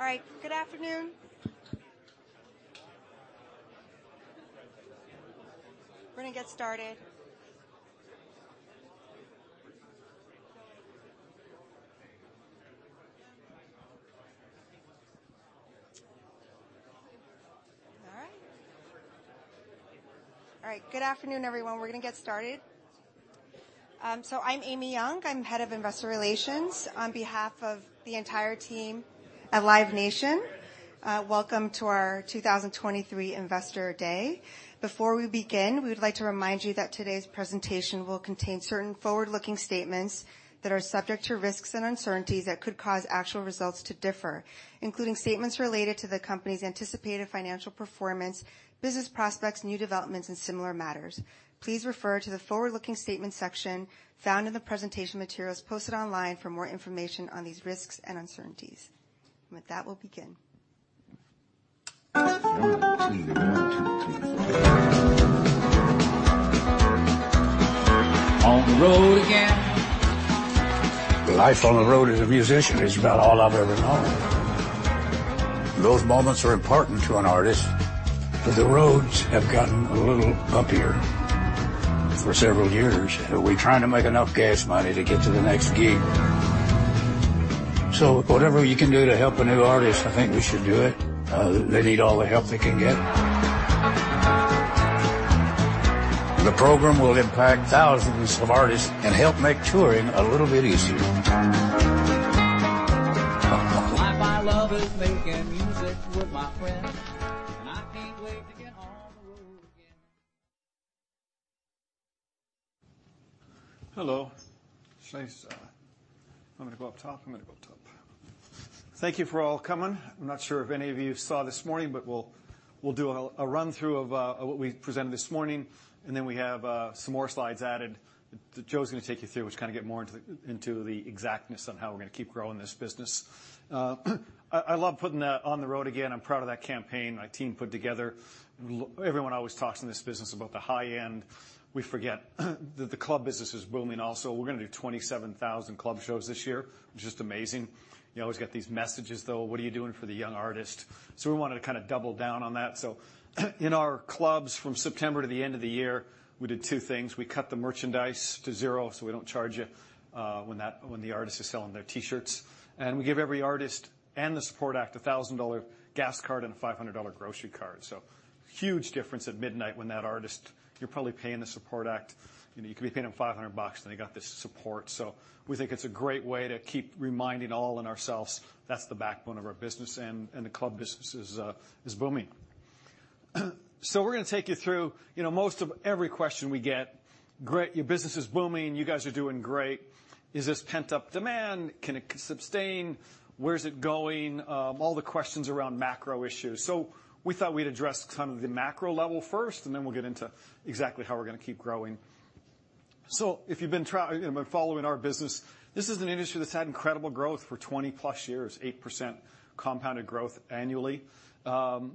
All right. Good afternoon. We're gonna get started. All right, good afternoon, everyone. We're gonna get started. So I'm Amy Yong. I'm Head of Investor Relations. On behalf of the entire team at Live Nation, welcome to our 2023 Investor Day. Before we begin, we would like to remind you that today's presentation will contain certain forward-looking statements that are subject to risks and uncertainties that could cause actual results to differ, including statements related to the company's anticipated financial performance, business prospects, new developments, and similar matters. Please refer to the forward-looking statement section found in the presentation materials posted online for more information on these risks and uncertainties. And with that, we'll begin. On the road again. Life on the road as a musician is about all I've ever known. Those moments are important to an artist, but the roads have gotten a little bumpier. For several years, we're trying to make enough gas money to get to the next gig. So whatever you can do to help a new artist, I think we should do it. They need all the help they can get. The program will impact thousands of artists and help make touring a little bit easier. My life, my love is making music with my friends, and I can't wait to get on the road again. Hello. Nice... Want me to go up top? I'm gonna go up top. Thank you for all coming. I'm not sure if any of you saw this morning, but we'll do a run-through of what we presented this morning, and then we have some more slides added that Joe's gonna take you through, which kind of get more into the exactness on how we're gonna keep growing this business. I love putting that "On The Road Again." I'm proud of that campaign my team put together. Everyone always talks in this business about the high end. We forget that the club business is booming also. We're gonna do 27,000 club shows this year, which is just amazing. You always get these messages, though: "What are you doing for the young artist?" So we wanted to kinda double down on that. So in our clubs, from September to the end of the year, we did two things. We cut the merchandise to zero, so we don't charge you when the artists are selling their T-shirts. And we give every artist and the support act a $1,000-dollar gas card and a $500-dollar grocery card. So huge difference at midnight when that artist. You're probably paying the support act, you know, you could be paying them $500 bucks, then they got this support. So we think it's a great way to keep reminding all and ourselves that's the backbone of our business, and the club business is booming. So we're gonna take you through... You know, most of every question we get, "Great, your business is booming. You guys are doing great. Is this pent-up demand? Can it sustain? Where's it going?" All the questions around macro issues. So we thought we'd address kind of the macro level first, and then we'll get into exactly how we're gonna keep growing. So if you've been following our business, this is an industry that's had incredible growth for 20+ years, 8% compounded growth annually. And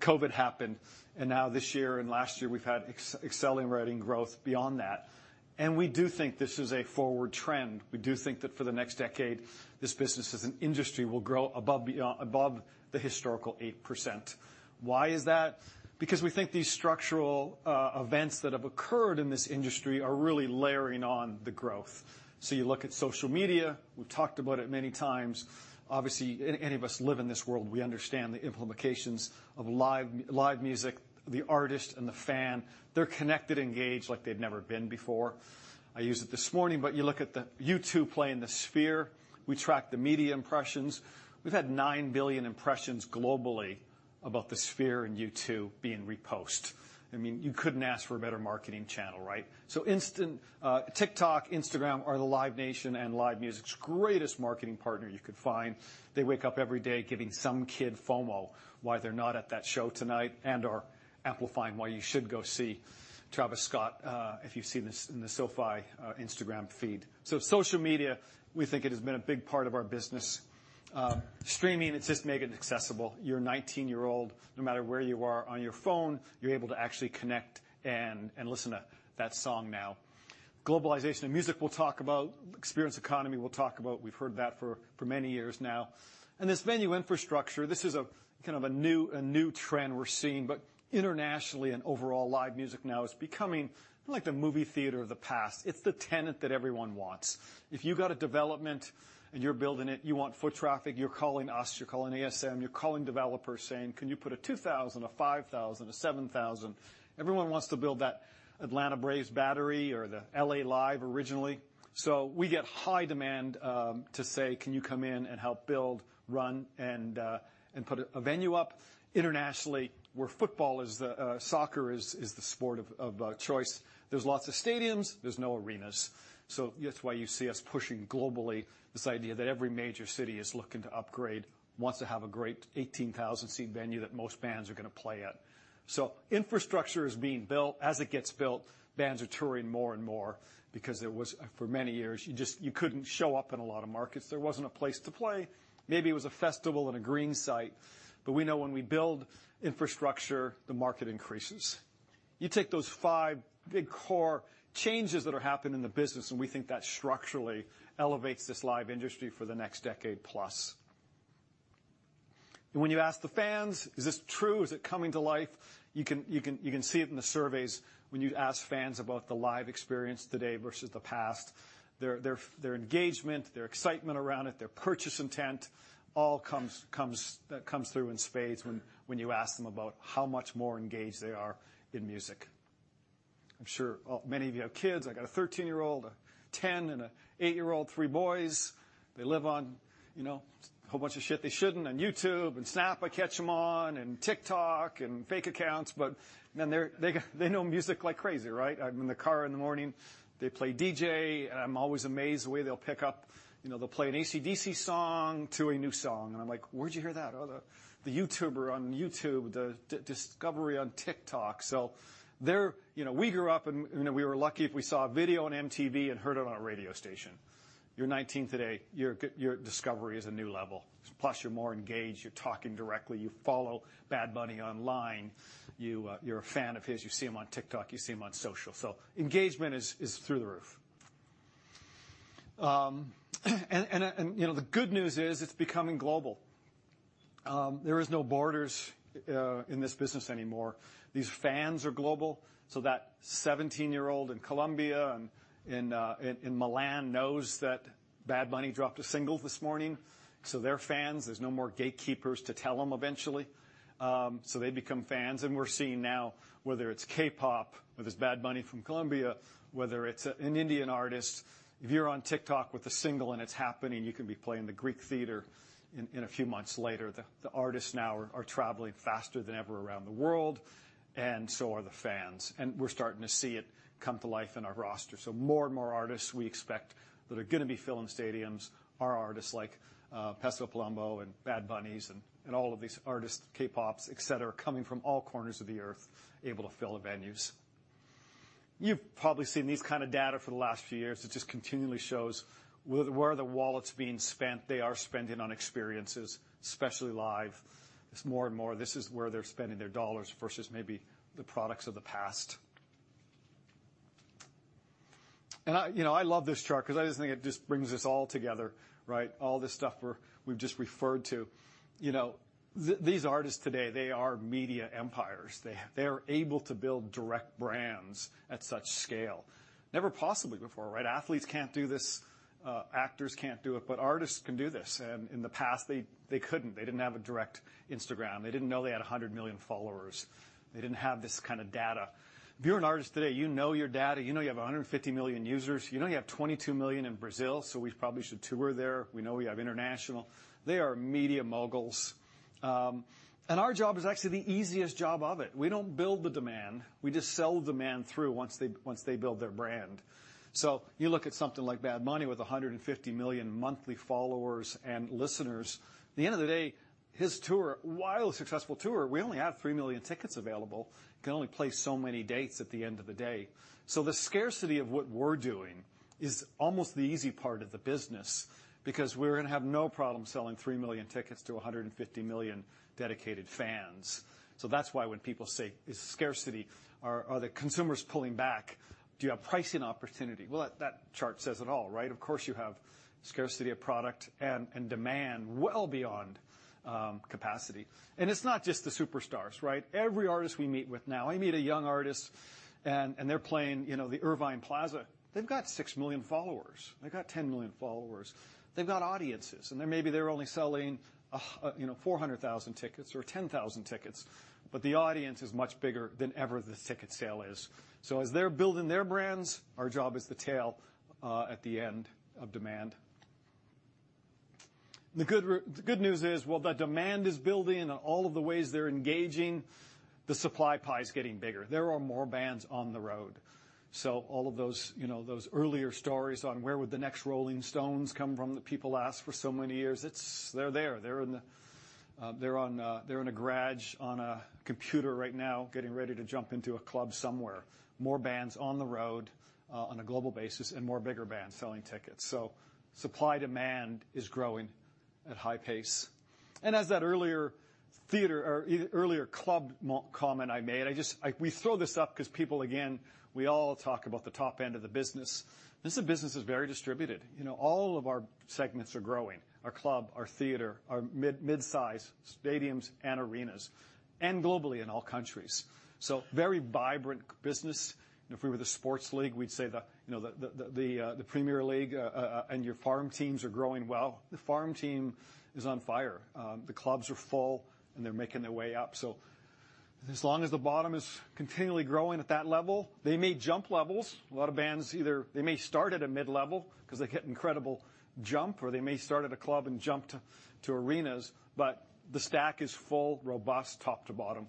COVID happened, and now this year and last year, we've had accelerating growth beyond that. And we do think this is a forward trend. We do think that for the next decade, this business as an industry will grow above the historical 8%. Why is that? Because we think these structural events that have occurred in this industry are really layering on the growth. So you look at social media. We've talked about it many times. Obviously, any of us live in this world, we understand the implications of live music, the artist and the fan. They're connected, engaged like they've never been before. I used it this morning, but you look at the U2 play in the Sphere. We tracked the media impressions. We've had 9 billion impressions globally about the Sphere and U2 being repost. I mean, you couldn't ask for a better marketing channel, right? So Instant, TikTok, Instagram are the Live Nation and live music's greatest marketing partner you could find. They wake up every day giving some kid FOMO, why they're not at that show tonight and/or amplifying why you should go see Travis Scott, if you've seen this in the SoFi Instagram feed. So social media, we think it has been a big part of our business. Streaming, it's just making it accessible. Your 19-year-old, no matter where you are on your phone, you're able to actually connect and listen to that song now. Globalization of music, we'll talk about. Experience economy, we'll talk about. We've heard that for many years now. And this venue infrastructure, this is a kind of new trend we're seeing, but internationally and overall, live music now is becoming like the movie theater of the past. It's the tenant that everyone wants. If you've got a development and you're building it, you want foot traffic, you're calling us, you're calling ASM, you're calling developers, saying: "Can you put a 2,000-seat, 5,000-seat, 7,000-seat?" Everyone wants to build that Atlanta Braves Battery or the L.A. Live originally. So we get high demand to say, "Can you come in and help build, run, and put a venue up?" Internationally, where football is the soccer is the sport of choice, there's lots of stadiums, there's no arenas. So that's why you see us pushing globally, this idea that every major city is looking to upgrade, wants to have a great 18,000-seat venue that most bands are gonna play at. So infrastructure is being built. As it gets built, bands are touring more and more because there was... For many years, you just couldn't show up in a lot of markets. There wasn't a place to play. Maybe it was a festival and a green site, but we know when we build infrastructure, the market increases. You take those five big core changes that are happening in the business, and we think that structurally elevates this live industry for the next decade plus. And when you ask the fans: Is this true? Is it coming to life? You can see it in the surveys when you ask fans about the live experience today versus the past. Their engagement, their excitement around it, their purchase intent all comes through in spades when you ask them about how much more engaged they are in music. I'm sure many of you have kids. I've got a 13-year-old, a 10, and an eight-year-old. Three boys. They live on, you know, a whole bunch of shit they shouldn't, on YouTube, and Snap I catch them on, and TikTok and fake accounts. But, man, they're- they got- they know music like crazy, right? I'm in the car in the morning, they play DJ, and I'm always amazed the way they'll pick up. You know, they'll play an AC/DC song to a new song, and I'm like: "Where'd you hear that?" "Oh, the YouTuber on YouTube, the discovery on TikTok." So they're... You know, we grew up, and, you know, we were lucky if we saw a video on MTV and heard it on a radio station. You're 19 today, your g- your discovery is a new level. Plus, you're more engaged. You're talking directly. You follow Bad Bunny online. You, you're a fan of his. You see him on TikTok, you see him on social. So engagement is through the roof. You know, the good news is it's becoming global. There is no borders in this business anymore. These fans are global, so that 17-year-old in Colombia and in Milan knows that Bad Bunny dropped a single this morning, so they're fans. There's no more gatekeepers to tell them eventually. So they become fans, and we're seeing now, whether it's K-pop, whether it's Bad Bunny from Colombia, whether it's an Indian artist, if you're on TikTok with a single and it's happening, you can be playing the Greek Theater in a few months later. The artists now are traveling faster than ever around the world, and so are the fans. We're starting to see it come to life in our roster. So more and more artists we expect that are gonna be filling stadiums are artists like Peso Pluma and Bad Bunny and all of these artists, K-pop, et cetera, coming from all corners of the earth, able to fill the venues. You've probably seen these kind of data for the last few years. It just continually shows where are the wallets being spent. They are spending on experiences, especially live. It's more and more, this is where they're spending their dollars versus maybe the products of the past. And I, you know, I love this chart because I just think it just brings this all together, right? All this stuff we've just referred to. You know, these artists today, they are media empires. They are able to build direct brands at such scale. Never possibly before, right? Athletes can't do this, actors can't do it, but artists can do this. And in the past, they couldn't. They didn't have a direct Instagram. They didn't know they had 100 million followers. They didn't have this kind of data. If you're an artist today, you know your data. You know you have 150 million users. You know you have 22 million in Brazil, so we probably should tour there. We know we have international. They are media moguls. And our job is actually the easiest job of it. We don't build the demand, we just sell demand through once they build their brand. So you look at something like Bad Bunny with 150 million monthly followers and listeners. At the end of the day, his tour, while a successful tour, we only have 3 million tickets available. He can only play so many dates at the end of the day. So the scarcity of what we're doing is almost the easy part of the business, because we're gonna have no problem selling 3 million tickets to 150 million dedicated fans. So that's why when people say, "Is scarcity... Are the consumers pulling back? Do you have pricing opportunity?" Well, that chart says it all, right? Of course, you have scarcity of product and demand well beyond capacity. And it's not just the superstars, right? Every artist we meet with now, I meet a young artist and they're playing, you know, the Irving Plaza. They've got 6 million followers. They've got 10 million followers. They've got audiences, and maybe they're only selling, you know, 400,000 tickets or 10,000 tickets, but the audience is much bigger than ever the ticket sale is. So as they're building their brands, our job is the tail at the end of demand. The good news is, while that demand is building and all of the ways they're engaging, the supply pie is getting bigger. There are more bands on the road. So all of those, you know, those earlier stories on where would the next Rolling Stones come from that people asked for so many years, it's... They're there. They're in the, they're on, they're in a garage on a computer right now, getting ready to jump into a club somewhere. More bands on the road, on a global basis, and more bigger bands selling tickets. So supply-demand is growing at high pace. And as that earlier theater or earlier club comment I made, I just. We throw this up because people, again, we all talk about the top end of the business. This is a business that's very distributed. You know, all of our segments are growing. Our club, our theater, our mid, midsize stadiums and arenas, and globally in all countries. So very vibrant business. And if we were the sports league, we'd say the, you know, the Premier League and your farm teams are growing well. The farm team is on fire. The clubs are full, and they're making their way up. So as long as the bottom is continually growing at that level, they may jump levels. A lot of bands, either they may start at a mid-level because they get incredible jump, or they may start at a club and jump to arenas. But the stack is full, robust, top to bottom.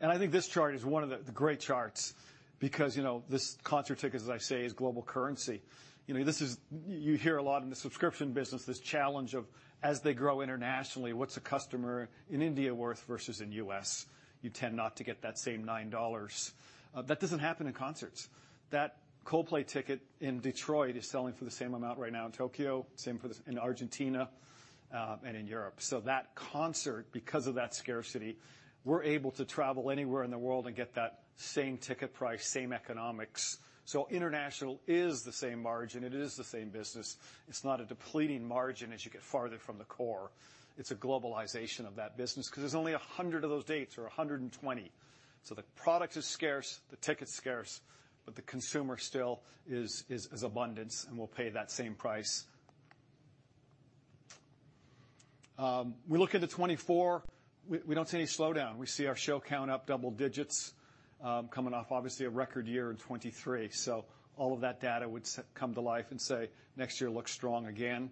And I think this chart is one of the great charts because, you know, this concert tickets, as I say, is global currency... you know, this is, you hear a lot in the subscription business, this challenge of as they grow internationally, what's a customer in India worth versus in U.S.? You tend not to get that same $9. That doesn't happen in concerts. That Coldplay ticket in Detroit is selling for the same amount right now in Tokyo, same for this in Argentina, and in Europe. So that concert, because of that scarcity, we're able to travel anywhere in the world and get that same ticket price, same economics. So international is the same margin. It is the same business. It's not a depleting margin as you get farther from the core. It's a globalization of that business, because there's only 100 of those dates or 120. So the product is scarce, the ticket's scarce, but the consumer still is abundant and will pay that same price. We look into 2024. We don't see any slowdown. We see our show count up double digits, coming off, obviously, a record year in 2023. So all of that data would come to life and say, next year looks strong again.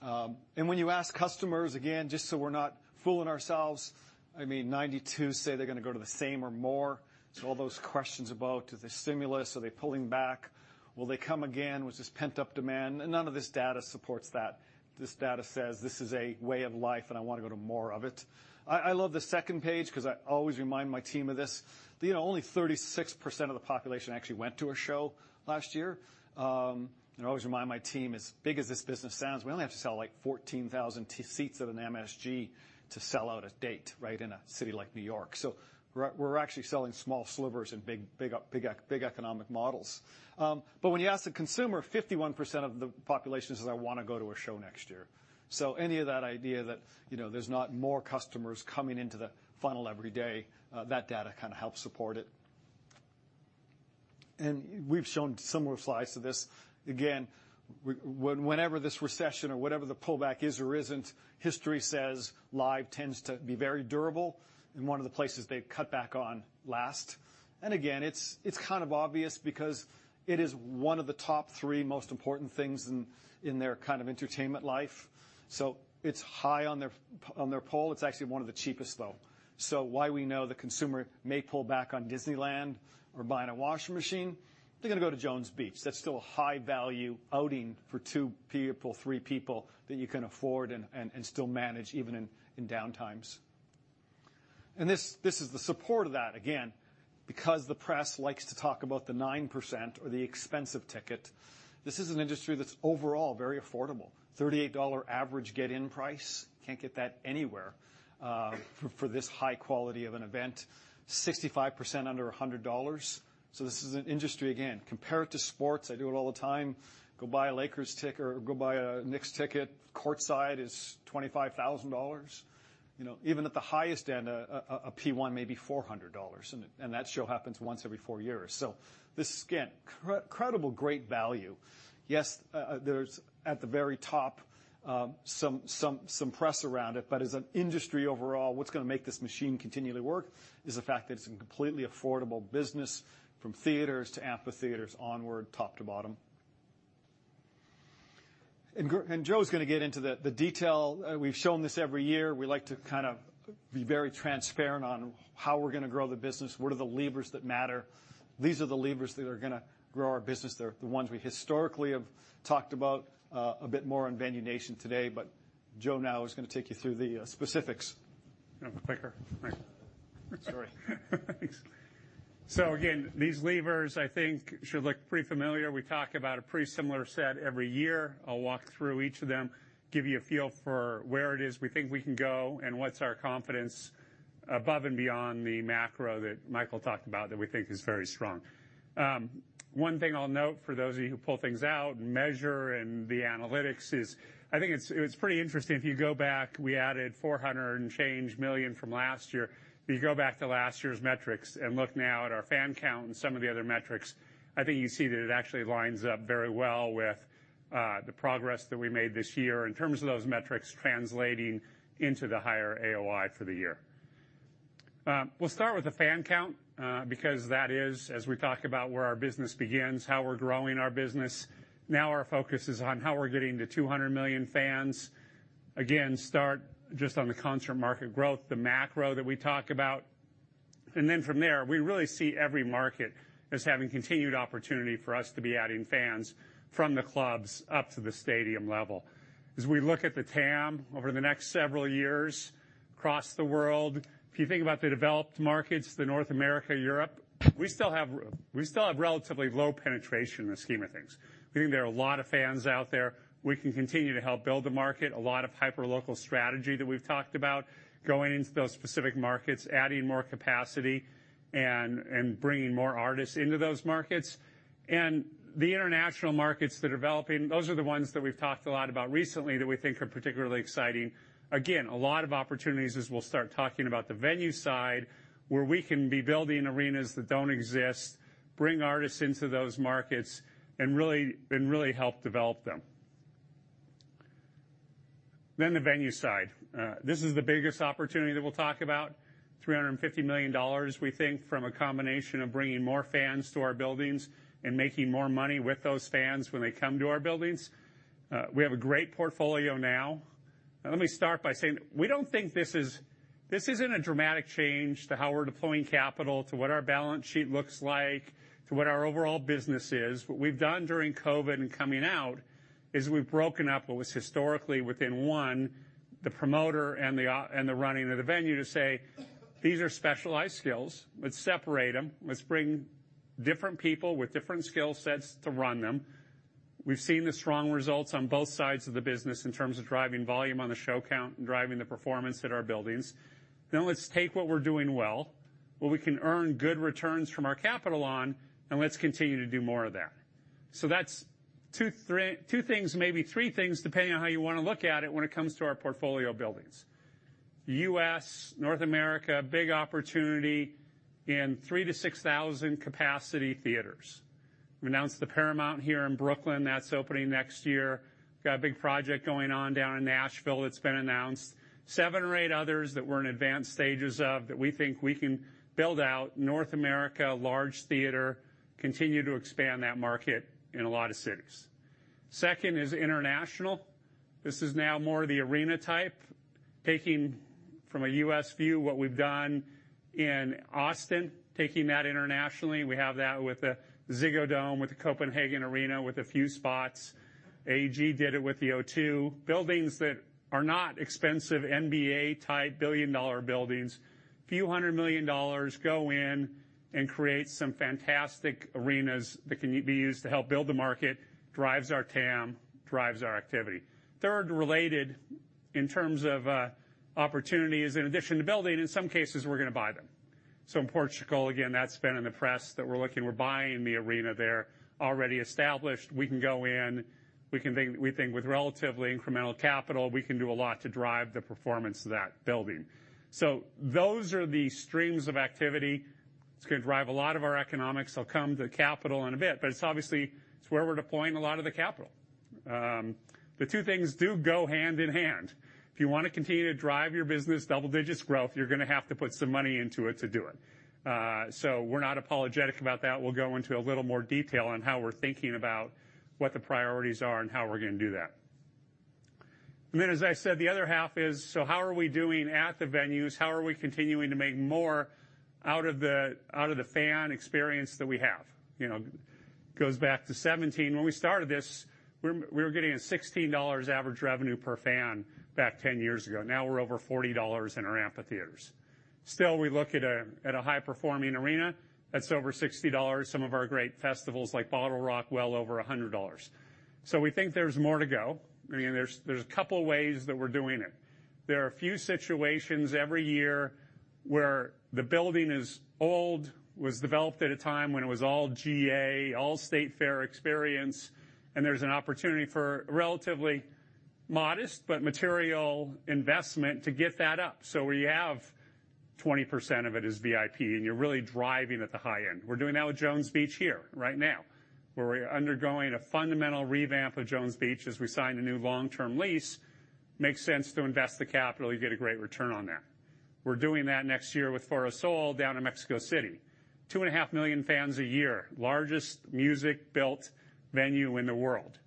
And when you ask customers, again, just so we're not fooling ourselves, I mean, 92 say they're gonna go to the same or more. So all those questions about, is there stimulus? Are they pulling back? Will they come again? Was this pent-up demand? And none of this data supports that. This data says this is a way of life, and I wanna go to more of it. I love the second page because I always remind my team of this, that, you know, only 36% of the population actually went to a show last year. And I always remind my team, as big as this business sounds, we only have to sell, like, 14,000 seats at an MSG to sell out a date, right, in a city like New York. So we're actually selling small slivers in big economic models. But when you ask the consumer, 51% of the population says, "I wanna go to a show next year." So any of that idea that, you know, there's not more customers coming into the funnel every day, that data kind of helps support it. And we've shown similar slides to this. Again, whenever this recession or whatever the pullback is or isn't, history says live tends to be very durable and one of the places they cut back on last. And again, it's kind of obvious because it is one of the top three most important things in their kind of entertainment life. So it's high on their poll. It's actually one of the cheapest, though. So while we know the consumer may pull back on Disneyland or buying a washing machine, they're gonna go to Jones Beach. That's still a high-value outing for two people, three people, that you can afford and still manage, even in downtimes. This is the support of that. Again, because the press likes to talk about the 9% or the expensive ticket, this is an industry that's overall very affordable. $38 average get-in price, can't get that anywhere for this high quality of an event. 65% under $100, so this is an industry. Again, compare it to sports. I do it all the time. Go buy a Lakers ticket or go buy a Knicks ticket. Courtside is $25,000. You know, even at the highest end, a P1 may be $400, and that show happens once every four years. So this is, again, incredible great value. Yes, there's, at the very top, some press around it, but as an industry overall, what's gonna make this machine continue to work is the fact that it's a completely affordable business from theaters to amphitheaters onward, top to bottom. And Joe's gonna get into the detail. We've shown this every year. We like to kind of be very transparent on how we're gonna grow the business. What are the levers that matter? These are the levers that are gonna grow our business. They're the ones we historically have talked about, a bit more on Venue Nation today. But Joe now is gonna take you through the specifics. You want it quicker? All right. Sorry. Thanks. So again, these levers, I think, should look pretty familiar. We talk about a pretty similar set every year. I'll walk through each of them, give you a feel for where it is we think we can go, and what's our confidence above and beyond the macro that Michael talked about, that we think is very strong. One thing I'll note, for those of you who pull things out, measure and the analytics is, I think it's pretty interesting. If you go back, we added $400 and change million from last year. If you go back to last year's metrics and look now at our fan count and some of the other metrics, I think you see that it actually lines up very well with the progress that we made this year in terms of those metrics translating into the higher AOI for the year. We'll start with the fan count, because that is, as we talk about, where our business begins, how we're growing our business. Now our focus is on how we're getting to 200 million fans. Again, start just on the concert market growth, the macro that we talk about, and then from there, we really see every market as having continued opportunity for us to be adding fans from the clubs up to the stadium level. As we look at the TAM over the next several years across the world, if you think about the developed markets, North America, Europe, we still have relatively low penetration in the scheme of things. We think there are a lot of fans out there. We can continue to help build the market. A lot of hyper local strategy that we've talked about, going into those specific markets, adding more capacity and bringing more artists into those markets. And the international markets that are developing, those are the ones that we've talked a lot about recently that we think are particularly exciting. Again, a lot of opportunities as we'll start talking about the venue side, where we can be building arenas that don't exist, bring artists into those markets, and really help develop them. Then the venue side. This is the biggest opportunity that we'll talk about, $350 million, we think, from a combination of bringing more fans to our buildings and making more money with those fans when they come to our buildings. We have a great portfolio now.... And let me start by saying, we don't think this is. This isn't a dramatic change to how we're deploying capital, to what our balance sheet looks like, to what our overall business is. What we've done during COVID and coming out, is we've broken up what was historically within one, the promoter and the, and the running of the venue, to say, these are specialized skills. Let's separate them. Let's bring different people with different skill sets to run them. We've seen the strong results on both sides of the business in terms of driving volume on the show count and driving the performance at our buildings. Then let's take what we're doing well, what we can earn good returns from our capital on, and let's continue to do more of that. So that's two, three... Two things, maybe three things, depending on how you want to look at it, when it comes to our portfolio buildings. U.S., North America, big opportunity in 3,000-6,000 capacity theaters. We announced the Paramount here in Brooklyn. That's opening next year. Got a big project going on down in Nashville that's been announced. Seven or eight others that we're in advanced stages of, that we think we can build out. North America, large theater, continue to expand that market in a lot of cities. Second is international. This is now more of the arena type, taking from a U.S. view, what we've done in Austin, taking that internationally. We have that with the Ziggo Dome, with the Copenhagen Arena, with a few spots. AEG did it with the O2. Buildings that are not expensive, NBA-type, billion-dollar buildings. A few hundred million dollars go in and create some fantastic arenas that can be used to help build the market, drives our TAM, drives our activity. Third, related in terms of opportunities, in addition to building, in some cases, we're going to buy them. So in Portugal, again, that's been in the press, that we're looking, we're buying the arena there, already established. We can go in, we can think, we think with relatively incremental capital, we can do a lot to drive the performance of that building. So those are the streams of activity. It's going to drive a lot of our economics. I'll come to capital in a bit, but it's obviously, it's where we're deploying a lot of the capital. The two things do go hand in hand. If you want to continue to drive your business double-digit growth, you're going to have to put some money into it to do it. So we're not apologetic about that. We'll go into a little more detail on how we're thinking about what the priorities are and how we're going to do that. And then, as I said, the other half is, so how are we doing at the venues? How are we continuing to make more out of the fan experience that we have? You know, goes back to 2017. When we started this, we were getting a $16 average revenue per fan back 10 years ago. Now we're over $40 in our amphitheaters. Still, we look at a high-performing arena, that's over $60. Some of our great festivals, like BottleRock, well over $100. So we think there's more to go. I mean, there's a couple of ways that we're doing it. There are a few situations every year where the building is old, was developed at a time when it was all GA, all state fair experience, and there's an opportunity for relatively modest but material investment to get that up. So we have 20% of it as VIP, and you're really driving at the high end. We're doing that with Jones Beach here, right now, where we're undergoing a fundamental revamp of Jones Beach as we sign a new long-term lease. Makes sense to invest the capital. You get a great return on that. We're doing that next year with Foro Sol down in Mexico City. 2.5 million fans a year, largest music-built venue in the world.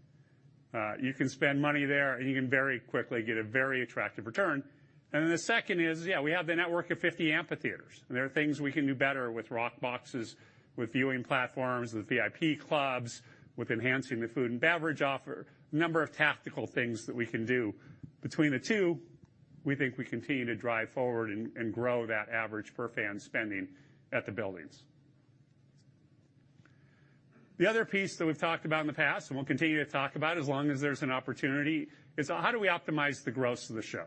You can spend money there, and you can very quickly get a very attractive return. And then the second is, yeah, we have the network of 50 amphitheaters, and there are things we can do better with rock boxes, with viewing platforms, with VIP clubs, with enhancing the food and beverage offer. A number of tactical things that we can do. Between the two, we think we continue to drive forward and grow that average per fan spending at the buildings. The other piece that we've talked about in the past, and we'll continue to talk about as long as there's an opportunity, is how do we optimize the gross of the show?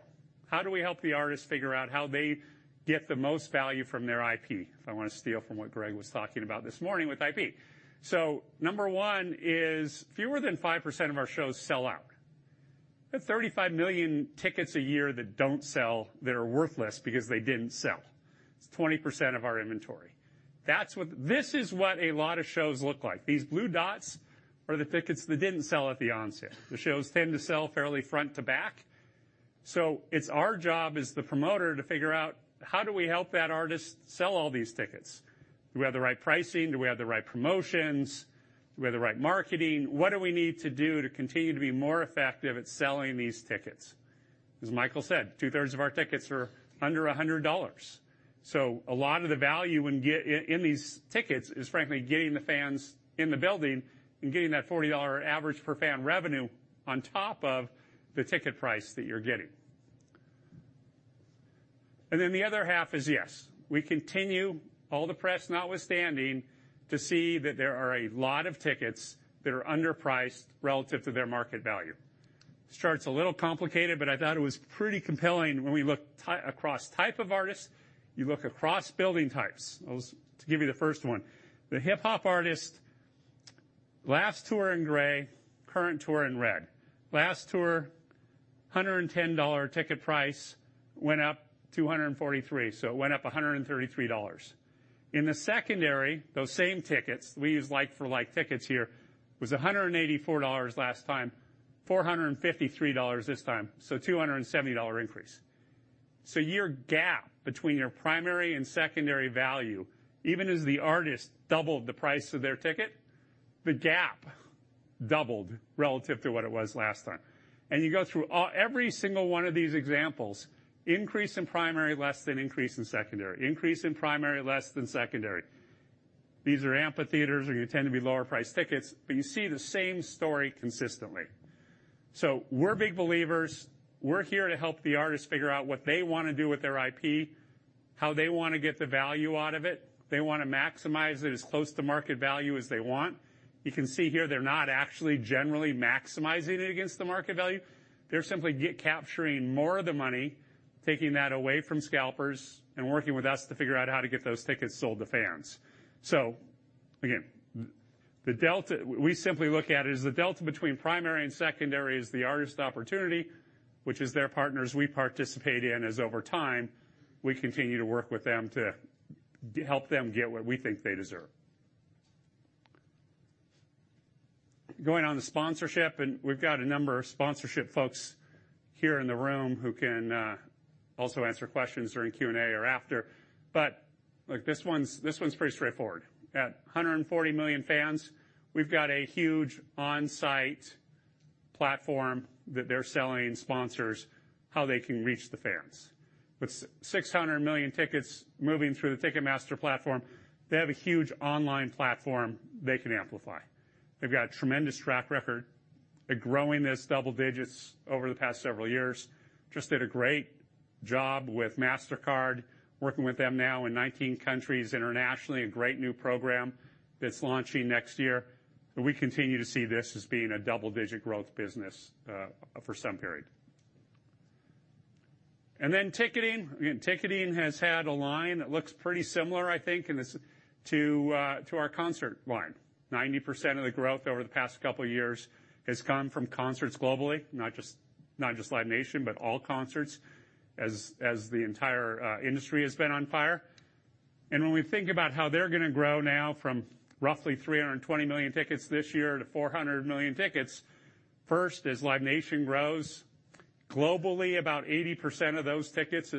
How do we help the artists figure out how they get the most value from their IP? If I want to steal from what Greg was talking about this morning with IP. So number one is fewer than 5% of our shows sell out. We have 35 million tickets a year that don't sell, that are worthless because they didn't sell. It's 20% of our inventory. That's what... This is what a lot of shows look like. These blue dots are the tickets that didn't sell at the onset. The shows tend to sell fairly front to back. So it's our job as the promoter to figure out, how do we help that artist sell all these tickets? Do we have the right pricing? Do we have the right promotions? Do we have the right marketing? What do we need to do to continue to be more effective at selling these tickets? As Michael said, 2/3 of our tickets are under $100. So a lot of the value in get-in these tickets is, frankly, getting the fans in the building and getting that $40 average per fan revenue on top of the ticket price that you're getting. And then the other half is, yes, we continue, all the press notwithstanding, to see that there are a lot of tickets that are underpriced relative to their market value. This chart's a little complicated, but I thought it was pretty compelling when we look across type of artists, you look across building types. I'll just give you the first one. The hip-hop artist, last tour in gray, current tour in red. Last tour, $110 ticket price went up to $243, so it went up $133. In the secondary, those same tickets, we use like for like, tickets here, was $184 last time, $453 this time, so $270 increase. So your gap between your primary and secondary value, even as the artist doubled the price of their ticket, the gap doubled relative to what it was last time. And you go through all, every single one of these examples, increase in primary, less than increase in secondary. Increase in primary, less than secondary. These are amphitheaters, are gonna tend to be lower priced tickets, but you see the same story consistently. So we're big believers. We're here to help the artists figure out what they wanna do with their IP, how they wanna get the value out of it. They wanna maximize it as close to market value as they want. You can see here, they're not actually generally maximizing it against the market value. They're simply capturing more of the money, taking that away from scalpers, and working with us to figure out how to get those tickets sold to fans. So again, the delta, we simply look at it as the delta between primary and secondary is the artist opportunity, which as their partners, we participate in, as over time, we continue to work with them to help them get what we think they deserve. Going on to sponsorship, and we've got a number of sponsorship folks here in the room who can also answer questions during Q&A or after. But look, this one's pretty straightforward. At 140 million fans, we've got a huge on-site platform that they're selling sponsors how they can reach the fans. With 600 million tickets moving through the Ticketmaster platform, they have a huge online platform they can amplify. They've got a tremendous track record at growing this double digits over the past several years. Just did a great job with Mastercard, working with them now in 19 countries internationally, a great new program that's launching next year, and we continue to see this as being a double-digit growth business for some period. And then ticketing. Again, ticketing has had a line that looks pretty similar, I think, in this, to our concert line. 90% of the growth over the past couple of years has come from concerts globally, not just Live Nation, but all concerts, as the entire industry has been on fire. When we think about how they're gonna grow now from roughly 320 million tickets this year to 400 million tickets, first, as Live Nation grows globally, about 80% of those tickets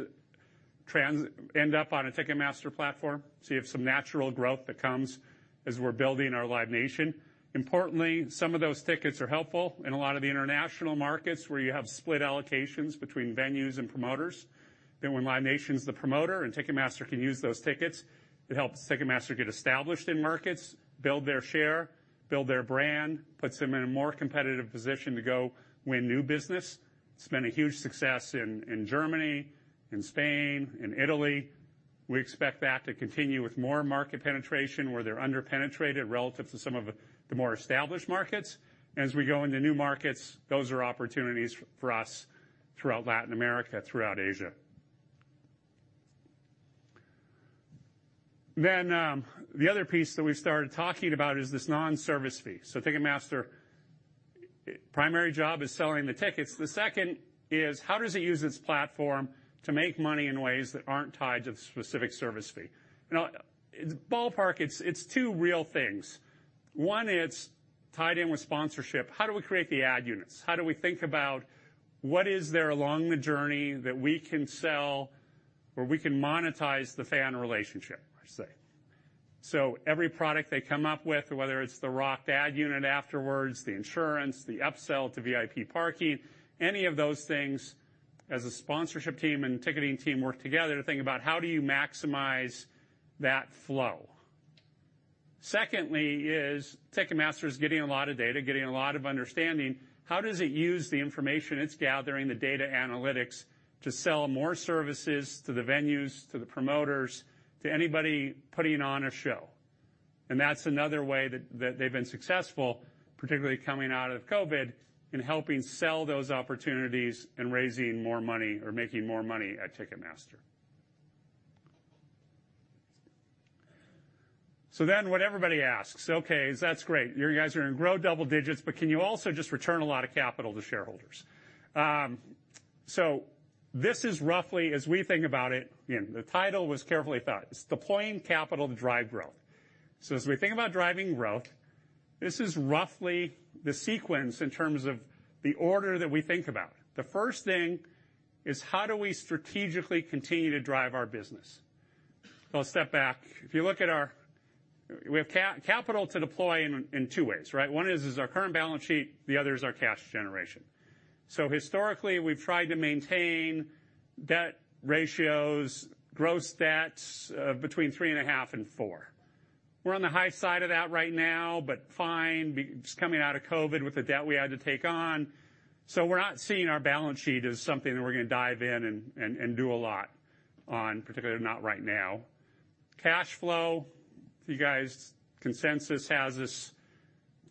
end up on a Ticketmaster platform. So you have some natural growth that comes as we're building our Live Nation. Importantly, some of those tickets are helpful in a lot of the international markets where you have split allocations between venues and promoters. Then when Live Nation's the promoter, and Ticketmaster can use those tickets, it helps Ticketmaster get established in markets, build their share, build their brand, puts them in a more competitive position to go win new business. It's been a huge success in Germany, in Spain, in Italy. We expect that to continue with more market penetration, where they're under-penetrated relative to some of the more established markets. As we go into new markets, those are opportunities for us throughout Latin America, throughout Asia. Then, the other piece that we've started talking about is this non-service fee. So Ticketmaster, primary job is selling the tickets. The second is, how does it use its platform to make money in ways that aren't tied to the specific service fee? Now, ballpark, it's two real things. One, it's tied in with sponsorship. How do we create the ad units? How do we think about what is there along the journey that we can sell or we can monetize the fan relationship, per se? So every product they come up with, whether it's the rocked ad unit afterwards, the insurance, the upsell to VIP parking, any of those things as a sponsorship team and ticketing team work together to think about: How do you maximize that flow? Secondly is, Ticketmaster is getting a lot of data, getting a lot of understanding. How does it use the information it's gathering, the data analytics, to sell more services to the venues, to the promoters, to anybody putting on a show? And that's another way that, that they've been successful, particularly coming out of COVID, in helping sell those opportunities and raising more money or making more money at Ticketmaster. So then what everybody asks, "Okay, that's great. You guys are going to grow double digits, but can you also just return a lot of capital to shareholders?" So this is roughly as we think about it, you know, the title was carefully thought. It's deploying capital to drive growth. So as we think about driving growth, this is roughly the sequence in terms of the order that we think about. The first thing is, how do we strategically continue to drive our business? I'll step back. If you look at our... We have capital to deploy in two ways, right? One is our current balance sheet, the other is our cash generation. So historically, we've tried to maintain debt ratios, gross debts, between between 3.5 and 4. We're on the high side of that right now, but fine, just coming out of COVID with the debt we had to take on. So we're not seeing our balance sheet as something that we're gonna dive in and do a lot on, particularly not right now. Cash flow, you guys, consensus has us,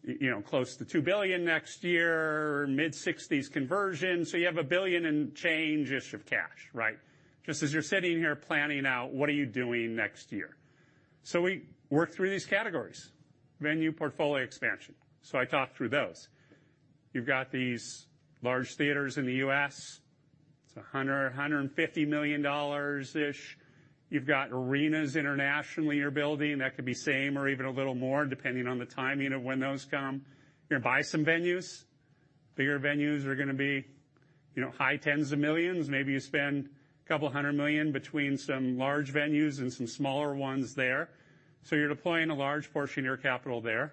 you know, close to $2 billion next year, mid-60s conversion. So you have $1 billion-ish of cash, right? Just as you're sitting here planning out what are you doing next year? So we work through these categories. Venue portfolio expansion. So I talked through those. You've got these large theaters in the U.S., it's $100-$150 million-ish. You've got arenas internationally you're building, that could be same or even a little more, depending on the timing of when those come. You're gonna buy some venues.... Bigger venues are gonna be, you know, high $10s of millions. Maybe you spend $200 million between some large venues and some smaller ones there. So you're deploying a large portion of your capital there.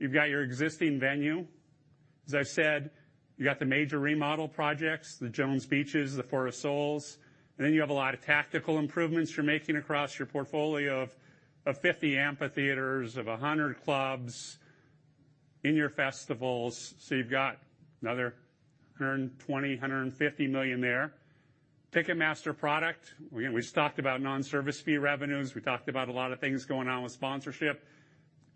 You've got your existing venue. As I've said, you got the major remodel projects, the Jones Beach's, the Foro Sol's, and then you have a lot of tactical improvements you're making across your portfolio of 50 amphitheaters, of 100 clubs in your festivals, so you've got another $120 million-$150 million there. Ticketmaster product. Again, we just talked about non-service fee revenues. We talked about a lot of things going on with sponsorship.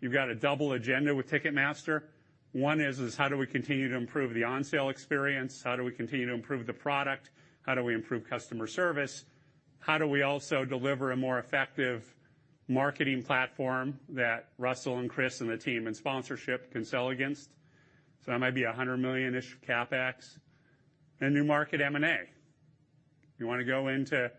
You've got a double agenda with Ticketmaster. One is how do we continue to improve the on-sale experience? How do we continue to improve the product? How do we improve customer service? How do we also deliver a more effective marketing platform that Russell and Chris and the team and sponsorship can sell against? So that might be a $100 million-ish CapEx. And new market M&A. You wanna go into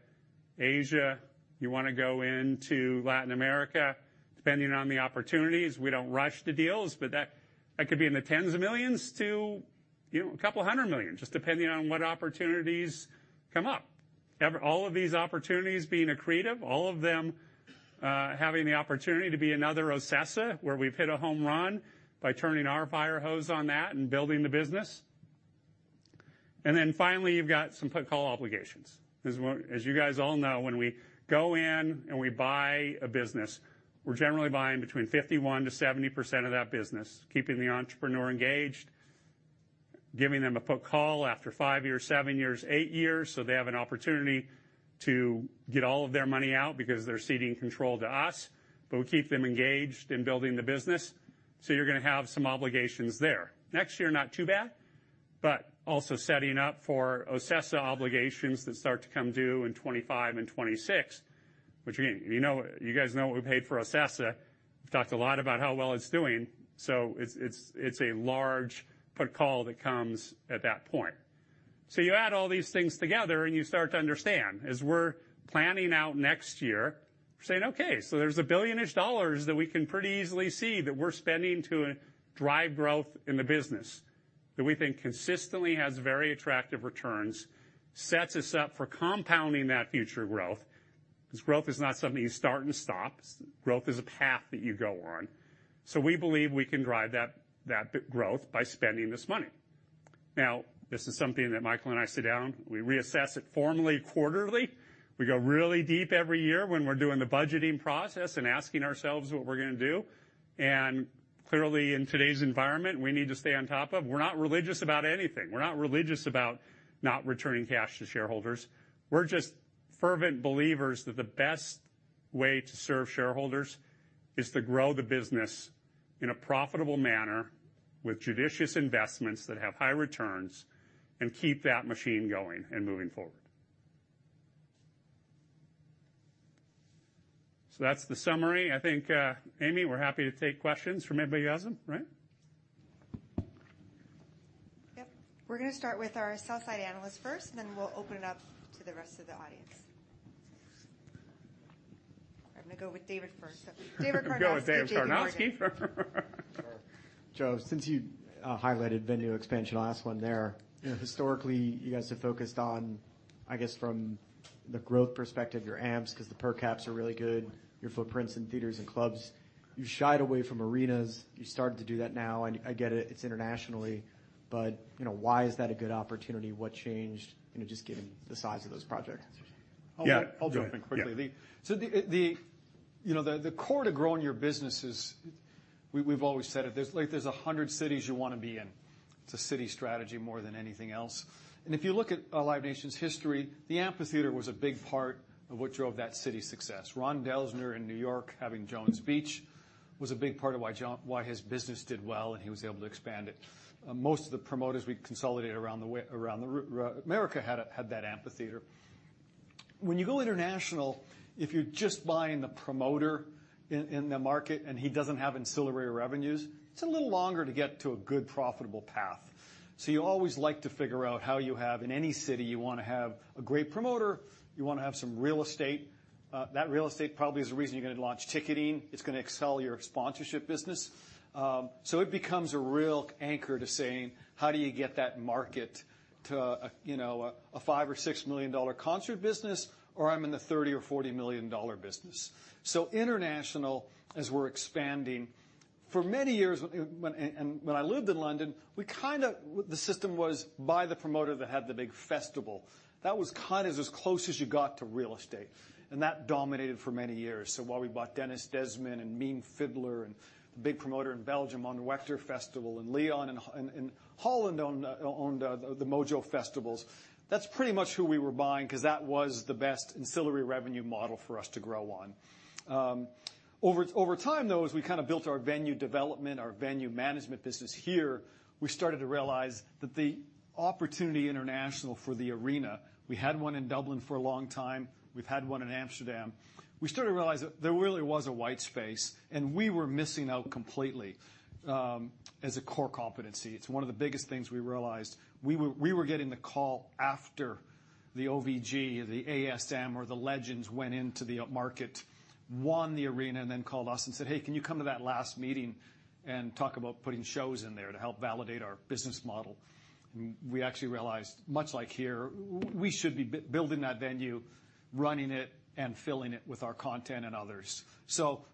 Asia, you wanna go into Latin America, depending on the opportunities, we don't rush the deals, but that, that could be in the $10 million-$200 million, just depending on what opportunities come up. All of these opportunities being accretive, all of them, having the opportunity to be another OCESA, where we've hit a home run by turning our fire hose on that and building the business. And then finally, you've got some put call obligations. As you guys all know, when we go in and we buy a business, we're generally buying between 51%-70% of that business, keeping the entrepreneur engaged, giving them a put/call after five years, seven years, eight years, so they have an opportunity to get all of their money out because they're ceding control to us, but we keep them engaged in building the business. So you're gonna have some obligations there. Next year, not too bad, but also setting up for OCESA obligations that start to come due in 2025 and 2026, which, again, you know, you guys know what we paid for OCESA. We've talked a lot about how well it's doing, so it's a large put/call that comes at that point. So you add all these things together and you start to understand, as we're planning out next year, we're saying, "Okay, so there's $1 billion-ish that we can pretty easily see that we're spending to drive growth in the business, that we think consistently has very attractive returns." Sets us up for compounding that future growth, because growth is not something you start and stop. Growth is a path that you go on. So we believe we can drive that, that growth by spending this money. Now, this is something that Michael and I sit down, we reassess it formally, quarterly. We go really deep every year when we're doing the budgeting process and asking ourselves what we're gonna do. And clearly, in today's environment, we need to stay on top of. We're not religious about anything. We're not religious about not returning cash to shareholders. We're just fervent believers that the best way to serve shareholders is to grow the business in a profitable manner with judicious investments that have high returns, and keep that machine going and moving forward. So that's the summary. I think, Amy, we're happy to take questions from everybody else, right? Yep. We're gonna start with our sell-side analyst first, and then we'll open it up to the rest of the audience. I'm gonna go with David first. David Karnovsky with JPMorgan. Go with David Karnovsky. Joe, since you highlighted venue expansion, I'll ask one there. Historically, you guys have focused on, I guess, from the growth perspective, your amps, because the per caps are really good, your footprints in theaters and clubs. You've shied away from arenas. You're starting to do that now, and I get it, it's internationally, but, you know, why is that a good opportunity? What changed, you know, just given the size of those projects? Yeah. I'll jump in quickly. Yeah. So the you know, the core to growing your business is we've always said it, there's, like, there's 100 cities you wanna be in. It's a city strategy more than anything else. And if you look at Live Nation's history, the amphitheater was a big part of what drove that city's success. Ron Delsener in New York, having Jones Beach, was a big part of why his business did well and he was able to expand it. Most of the promoters we consolidated around the way, around America had that amphitheater. When you go international, if you're just buying the promoter in the market, and he doesn't have ancillary revenues, it's a little longer to get to a good, profitable path. So you always like to figure out how you have... In any city, you wanna have a great promoter, you wanna have some real estate. That real estate probably is the reason you're gonna launch ticketing. It's gonna excel your sponsorship business. So it becomes a real anchor to saying: How do you get that market to, you know, a $5 million-$6 million concert business, or I'm in the $30 million-$40 million business? So international, as we're expanding, for many years, when I lived in London, we kind of the system was by the promoter that had the big festival. That was kind of as close as you got to real estate, and that dominated for many years. So while we bought Dennis Desmond and Mean Fiddler and the big promoter in Belgium on the Werchter Festival, and in Holland owned the MOJO Festivals, that's pretty much who we were buying, because that was the best ancillary revenue model for us to grow on. Over time, though, as we kind of built our venue development, our venue management business here, we started to realize that the opportunity international for the arena, we had one in Dublin for a long time, we've had one in Amsterdam. We started to realize that there really was a white space, and we were missing out completely, as a core competency. It's one of the biggest things we realized. We were getting the call after. The OVG, the ASM, or the Legends went into the market, won the arena, and then called us and said: "Hey, can you come to that last meeting and talk about putting shows in there to help validate our business model?" We actually realized, much like here, we should be building that venue, running it, and filling it with our content and others. So,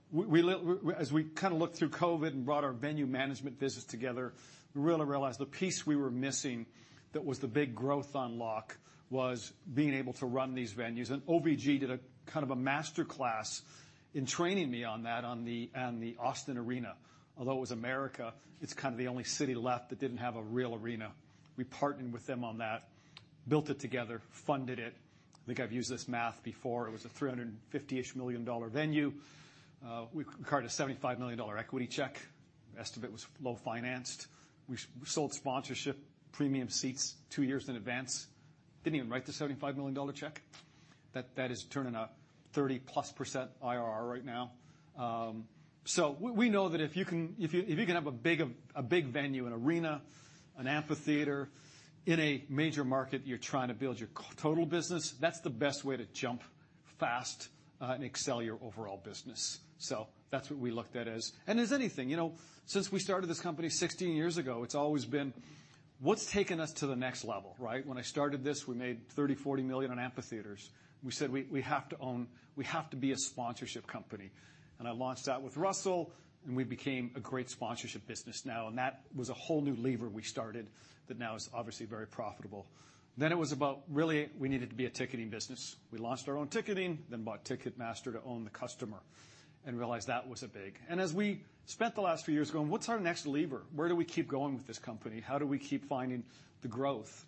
as we kind of looked through COVID and brought our venue management business together, we really realized the piece we were missing that was the big growth unlock, was being able to run these venues. And OVG did a kind of a master class in training me on that, on the Austin arena. Although it was America, it's kind of the only city left that didn't have a real arena. We partnered with them on that, built it together, funded it. I think I've used this math before. It was a $350-ish million venue. We wrote a $75 million equity check. Estimate was low financed. We sold sponsorship, premium seats two years in advance. Didn't even write the $75 million check. That is turning a 30%+ IRR right now. So we know that if you can have a big, a big venue, an arena, an amphitheater in a major market, you're trying to build your total business, that's the best way to jump fast and excel your overall business. So that's what we looked at as... And as anything, you know, since we started this company 16 years ago, it's always been, what's taking us to the next level, right? When I started this, we made $30 million-$40 million on amphitheaters. We said, "We have to own - we have to be a sponsorship company." And I launched that with Russell, and we became a great sponsorship business now, and that was a whole new lever we started that now is obviously very profitable. Then it was about really, we needed to be a ticketing business. We launched our own ticketing, then bought Ticketmaster to own the customer and realized that was a big. And as we spent the last few years going, "What's our next lever? Where do we keep going with this company? How do we keep finding the growth?"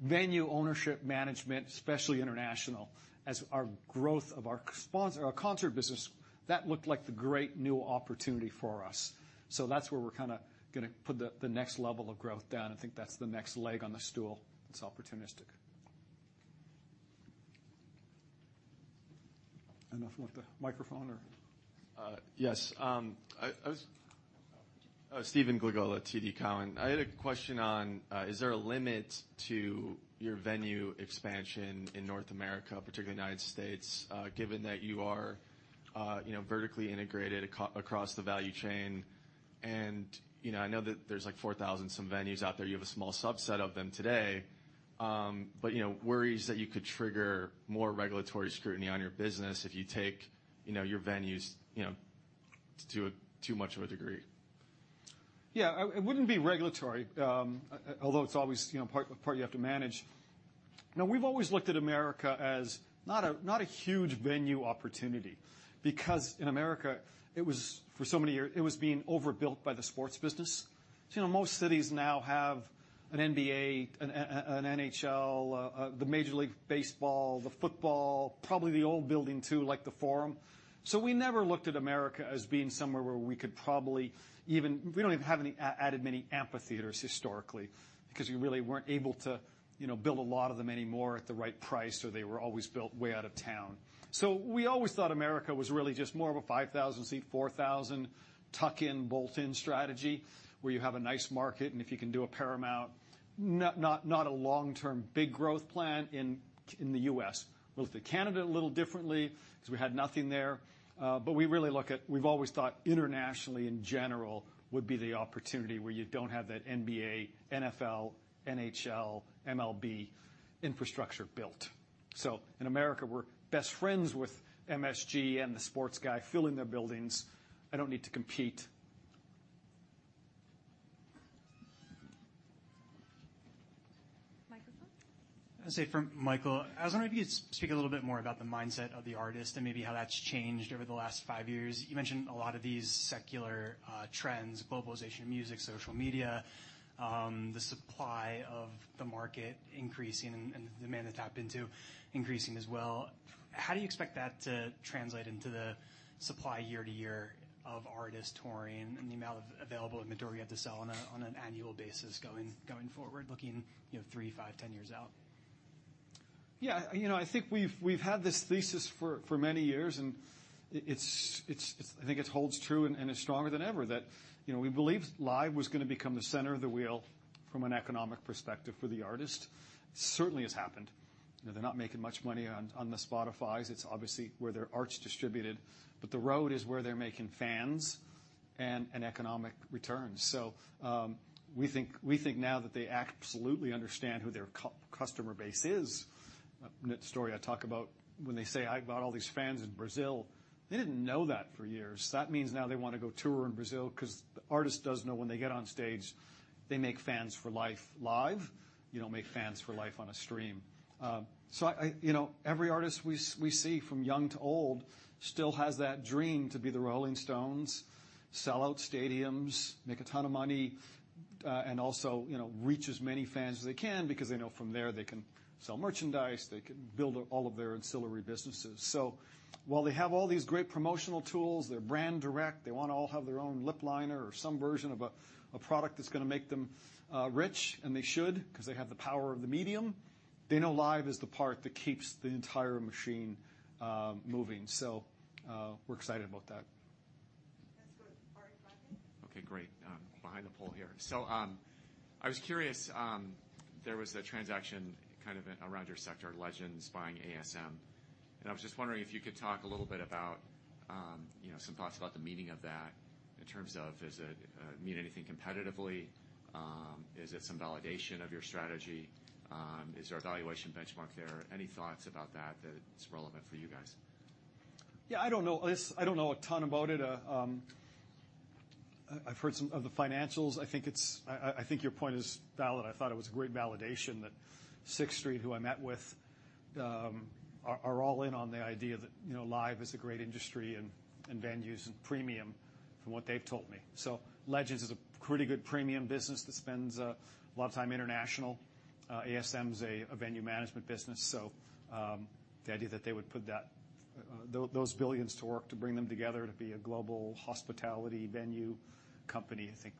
Venue ownership, management, especially international, as our growth of our sponsor, our concert business, that looked like the great new opportunity for us. So that's where we're kind of gonna put the next level of growth down.I think that's the next leg on the stool. It's opportunistic. I don't know if you want the microphone or- Yes. Oh, Stephen Glagola, TD Cowen. I had a question on, is there a limit to your venue expansion in North America, particularly United States, given that you are, you know, vertically integrated across the value chain? And, you know, I know that there's, like, 4,000-some venues out there. You have a small subset of them today, but, you know, worries that you could trigger more regulatory scrutiny on your business if you take, you know, your venues, you know, too much of a degree. Yeah, it wouldn't be regulatory, although it's always, you know, part you have to manage. Now, we've always looked at America as not a huge venue opportunity, because in America, it was for so many years, it was being overbuilt by the sports business. So, you know, most cities now have an NBA, an NHL, the Major League Baseball, the football, probably the old building, too, like the Forum. So we never looked at America as being somewhere where we could probably even. We don't even have any added many amphitheaters historically, because we really weren't able to, you know, build a lot of them anymore at the right price, so they were always built way out of town. We always thought America was really just more of a 5,000-seat, 4,000 tuck-in, bolt-in strategy, where you have a nice market, and if you can do a Paramount, not a long-term, big growth plan in the U.S. We looked at Canada a little differently because we had nothing there, but we really look at—we've always thought internationally in general would be the opportunity where you don't have that NBA, NFL, NHL, MLB infrastructure built. So in America, we're best friends with MSG and the sports guy filling their buildings. I don't need to compete. Microphone. I'd say for Michael, I was wondering if you could speak a little bit more about the mindset of the artist and maybe how that's changed over the last five years. You mentioned a lot of these secular trends, globalization of music, social media, the supply of the market increasing and the demand to tap into increasing as well. How do you expect that to translate into the supply year to year of artists touring and the amount of available inventory you have to sell on an annual basis going forward, looking, you know, three, five, 10 years out? Yeah, you know, I think we've had this thesis for many years, and it's, I think it holds true and is stronger than ever, that, you know, we believe live was going to become the center of the wheel from an economic perspective for the artist. Certainly has happened. You know, they're not making much money on the Spotify. It's obviously where their art's distributed, but the road is where they're making fans and economic returns. So, we think now that they absolutely understand who their customer base is. Anecdotally, I talk about when they say, "I've got all these fans in Brazil," they didn't know that for years. That means now they want to go tour in Brazil because the artist does know when they get on stage, they make fans for life live, you don't make fans for life on a stream. So, you know, every artist we see, from young to old, still has that dream to be the Rolling Stones, sell out stadiums, make a ton of money, and also, you know, reach as many fans as they can because they know from there they can sell merchandise, they can build all of their ancillary businesses. So while they have all these great promotional tools, they're brand-direct, they want to all have their own lip liner or some version of a product that's going to make them rich, and they should, because they have the power of the medium. They know live is the part that keeps the entire machine moving. So, we're excited about that. Okay, great. Behind the poll here. So, I was curious, there was a transaction kind of around your sector, Legends buying ASM. And I was just wondering if you could talk a little bit about, you know, some thoughts about the meaning of that in terms of, does it mean anything competitively? Is it some validation of your strategy? Is there a valuation benchmark there? Any thoughts about that's relevant for you guys? Yeah, I don't know. Listen, I don't know a ton about it. I've heard some of the financials. I think your point is valid. I thought it was a great validation that Sixth Street, who I met with, are all in on the idea that, you know, live is a great industry and venues and premium from what they've told me. So Legends is a pretty good premium business that spends a lot of time international. ASM is a venue management business, so the idea that they would put those billions to work to bring them together to be a global hospitality venue company, I think,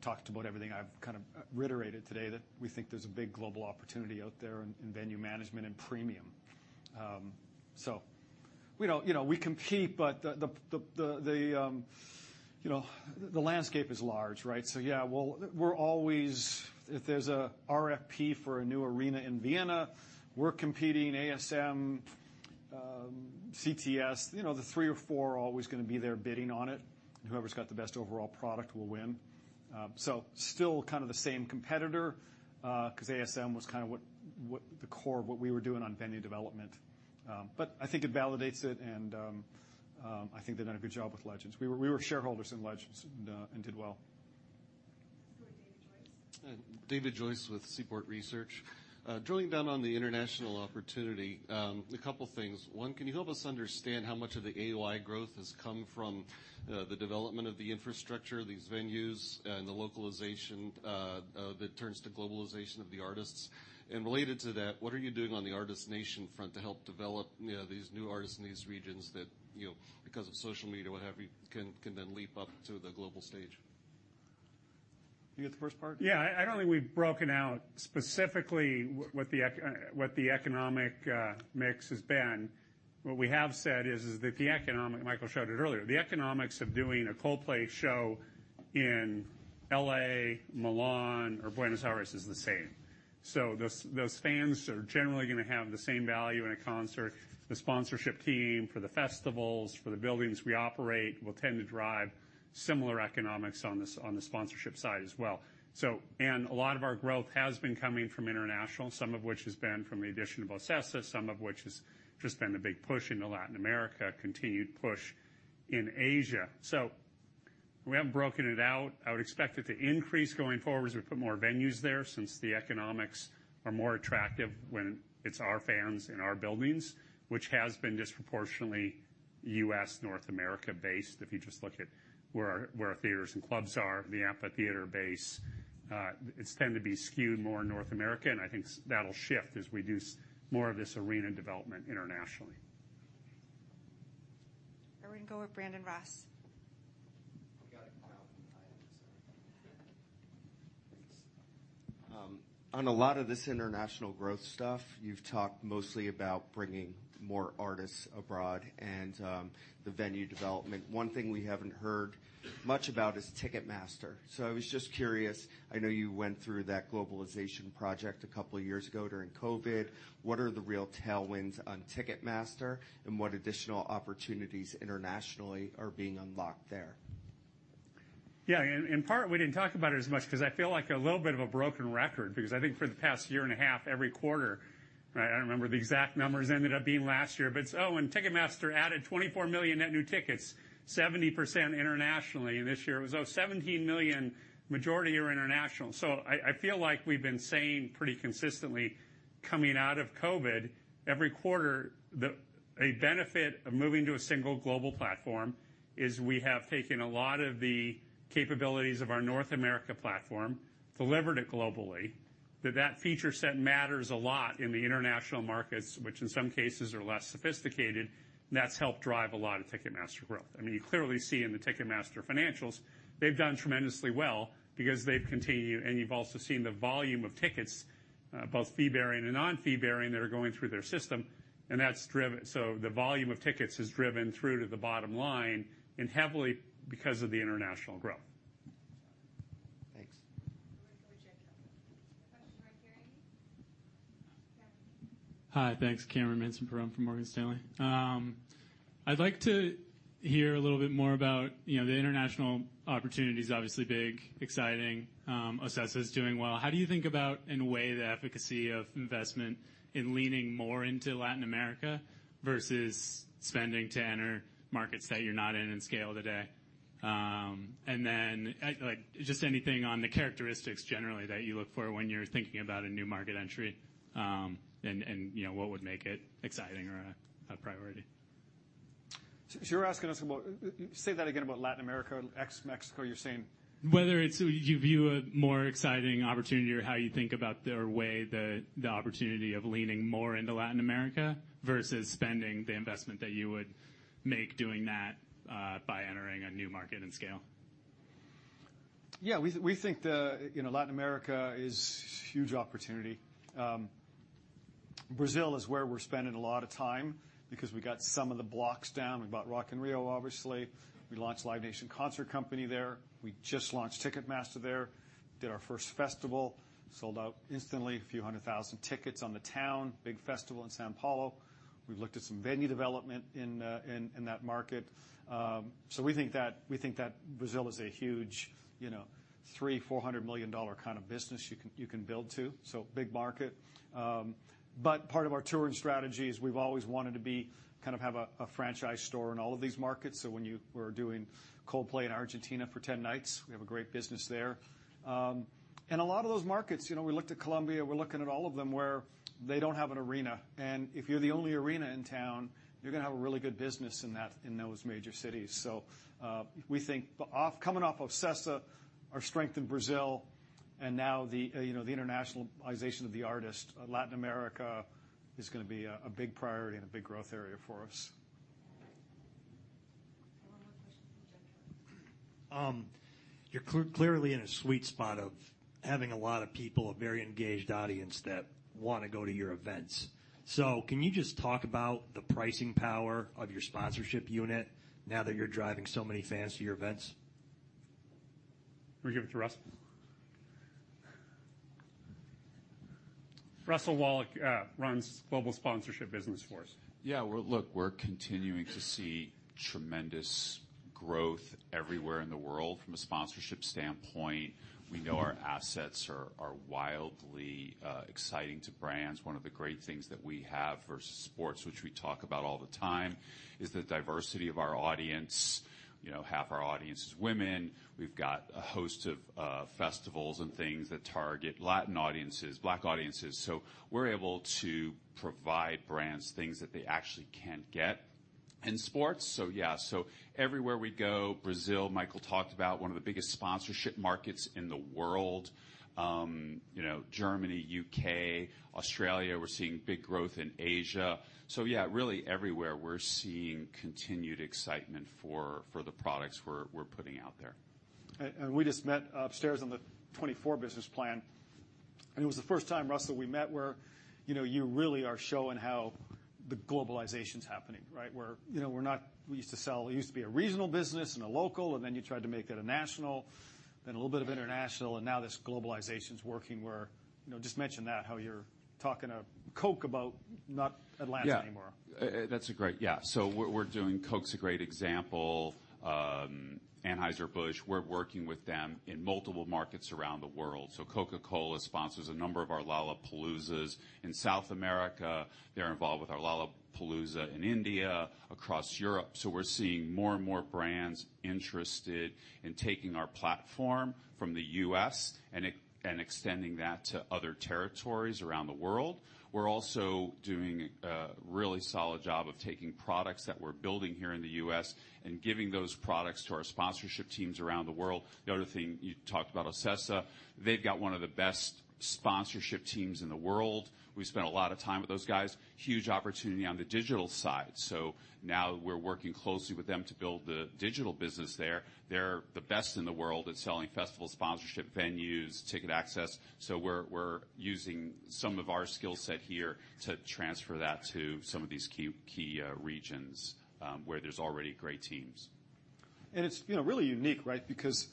talked about everything I've kind of reiterated today, that we think there's a big global opportunity out there in venue management and premium. So we don't... You know, we compete, but you know, the landscape is large, right? So, yeah, well, we're always... If there's a RFP for a new arena in Vienna, we're competing, ASM, CTS, you know, the three or four are always going to be there bidding on it, and whoever's got the best overall product will win. So still kind of the same competitor, because ASM was kind of what the core of what we were doing on venue development. But I think it validates it, and I think they've done a good job with Legends. We were shareholders in Legends, and did well. David Joyce. David Joyce with Seaport Research. Drilling down on the international opportunity, a couple things. One, can you help us understand how much of the AOI growth has come from the development of the infrastructure, these venues, and the localization that turns to globalization of the artists? And related to that, what are you doing on the Artist Nation front to help develop, you know, these new artists in these regions that, you know, because of social media, what have you, can then leap up to the global stage? You get the first part? Yeah. I don't think we've broken out specifically what the economic mix has been. What we have said is that the economic, Michael showed it earlier, the economics of doing a Coldplay show in L.A., Milan, or Buenos Aires is the same. So those fans are generally going to have the same value in a concert. The sponsorship team for the festivals, for the buildings we operate, will tend to drive similar economics on the sponsorship side as well. So, and a lot of our growth has been coming from international, some of which has been from the addition of OCESA, some of which has just been a big push into Latin America, continued push in Asia. So we haven't broken it out. I would expect it to increase going forward as we put more venues there, since the economics are more attractive when it's our fans in our buildings, which has been disproportionately U.S., North America-based. If you just look at where our theaters and clubs are, the amphitheater base, it's tend to be skewed more in North America, and I think that'll shift as we do more of this arena development internationally. We're going to go with Brandon Ross. We got to come out. Thanks. On a lot of this international growth stuff, you've talked mostly about bringing more artists abroad and, the venue development. One thing we haven't heard much about is Ticketmaster. So I was just curious, I know you went through that globalization project a couple of years ago during COVID. What are the real tailwinds on Ticketmaster, and what additional opportunities internationally are being unlocked there? Yeah, in part, we didn't talk about it as much because I feel like a little bit of a broken record, because I think for the past year and a half, every quarter, right, I don't remember the exact numbers ended up being last year, but it's, "Oh, and Ticketmaster added 24 million net new tickets, 70% internationally." And this year, it was, "Oh, 17 million, majority are international." So I feel like we've been saying pretty consistently, coming out of COVID, every quarter, a benefit of moving to a single global platform is we have taken a lot of the capabilities of our North America platform, delivered it globally, that feature set matters a lot in the international markets, which in some cases are less sophisticated, and that's helped drive a lot of Ticketmaster growth. I mean, you clearly see in the Ticketmaster financials, they've done tremendously well because they've continued, and you've also seen the volume of tickets, both fee-bearing and non-fee-bearing, that are going through their system, and that's driven the volume of tickets through to the bottom line heavily because of the international growth. Thanks. Go with Jack. Question right here. Hi. Thanks. Cameron Minson from Morgan Stanley. I'd like to hear a little bit more about, you know, the international opportunity is obviously big, exciting, OCESA is doing well. How do you think about, in a way, the efficacy of investment in leaning more into Latin America versus spending to enter markets that you're not in, in scale today? And then, like, just anything on the characteristics generally that you look for when you're thinking about a new market entry, and, you know, what would make it exciting or a priority? So you're asking us about... Say that again about Latin America, ex-Mexico, you're saying? Whether it's your view a more exciting opportunity or how you think about the way, the opportunity of leaning more into Latin America versus spending the investment that you would make doing that, by entering a new market and scale. Yeah, we think the, you know, Latin America is huge opportunity. Brazil is where we're spending a lot of time because we got some of the blocks down. We bought Rock in Rio, obviously. We launched Live Nation Concerts there. We just launched Ticketmaster there, did our first festival, sold out instantly, a few hundred thousand tickets on the town, big festival in São Paulo. We've looked at some venue development in that market. So we think that Brazil is a huge, you know, $300 million-$400 million kind of business you can build to, so big market. But part of our touring strategy is we've always wanted to kind of have a franchise store in all of these markets. So when we're doing Coldplay in Argentina for 10 nights, we have a great business there. And a lot of those markets, you know, we looked at Colombia, we're looking at all of them where they don't have an arena, and if you're the only arena in town, you're gonna have a really good business in that- in those major cities. So, we think, coming off OCESA, our strength in Brazil, and now the, you know, the internationalization of the artist, Latin America is gonna be, a big priority and a big growth area for us. One more question from Jeff. You're clearly in a sweet spot of having a lot of people, a very engaged audience that want to go to your events. So can you just talk about the pricing power of your sponsorship unit now that you're driving so many fans to your events? We give it to Russell. Russell Wallach runs global sponsorship business for us. Yeah, well, look, we're continuing to see tremendous growth everywhere in the world from a sponsorship standpoint. We know our assets are wildly exciting to brands. One of the great things that we have versus sports, which we talk about all the time, is the diversity of our audience. You know, half our audience is women. We've got a host of festivals and things that target Latin audiences, Black audiences. So we're able to provide brands things that they actually can't get in sports. So yeah, so everywhere we go, Brazil, Michael talked about one of the biggest sponsorship markets in the world. You know, Germany, U.K., Australia, we're seeing big growth in Asia. So yeah, really everywhere, we're seeing continued excitement for the products we're putting out there. We just met upstairs on the 2024 business plan, and it was the first time, Russell, we met, where, you know, you really are showing how the globalization's happening, right? Where, you know, we're not. It used to be a regional business and a local, and then you tried to make that a national, then a little bit of international, and now this globalization's working where, you know, just mention that, how you're talking to Coke about not Atlanta anymore. Yeah. That's a great... Yeah. So we're doing. Coke's a great example. Anheuser-Busch, we're working with them in multiple markets around the world. So Coca-Cola sponsors a number of our Lollapaloozas in South America. They're involved with our Lollapalooza in India, across Europe. So we're seeing more and more brands interested in taking our platform from the U.S. and extending that to other territories around the world. We're also doing a really solid job of taking products that we're building here in the U.S. and giving those products to our sponsorship teams around the world. The other thing, you talked about OCESA. They've got one of the best sponsorship teams in the world. We spent a lot of time with those guys. Huge opportunity on the digital side. So now we're working closely with them to build the digital business there. They're the best in the world at selling festival sponsorship, venues, ticket access. So we're using some of our skill set here to transfer that to some of these key regions where there's already great teams. It's, you know, really unique, right? Because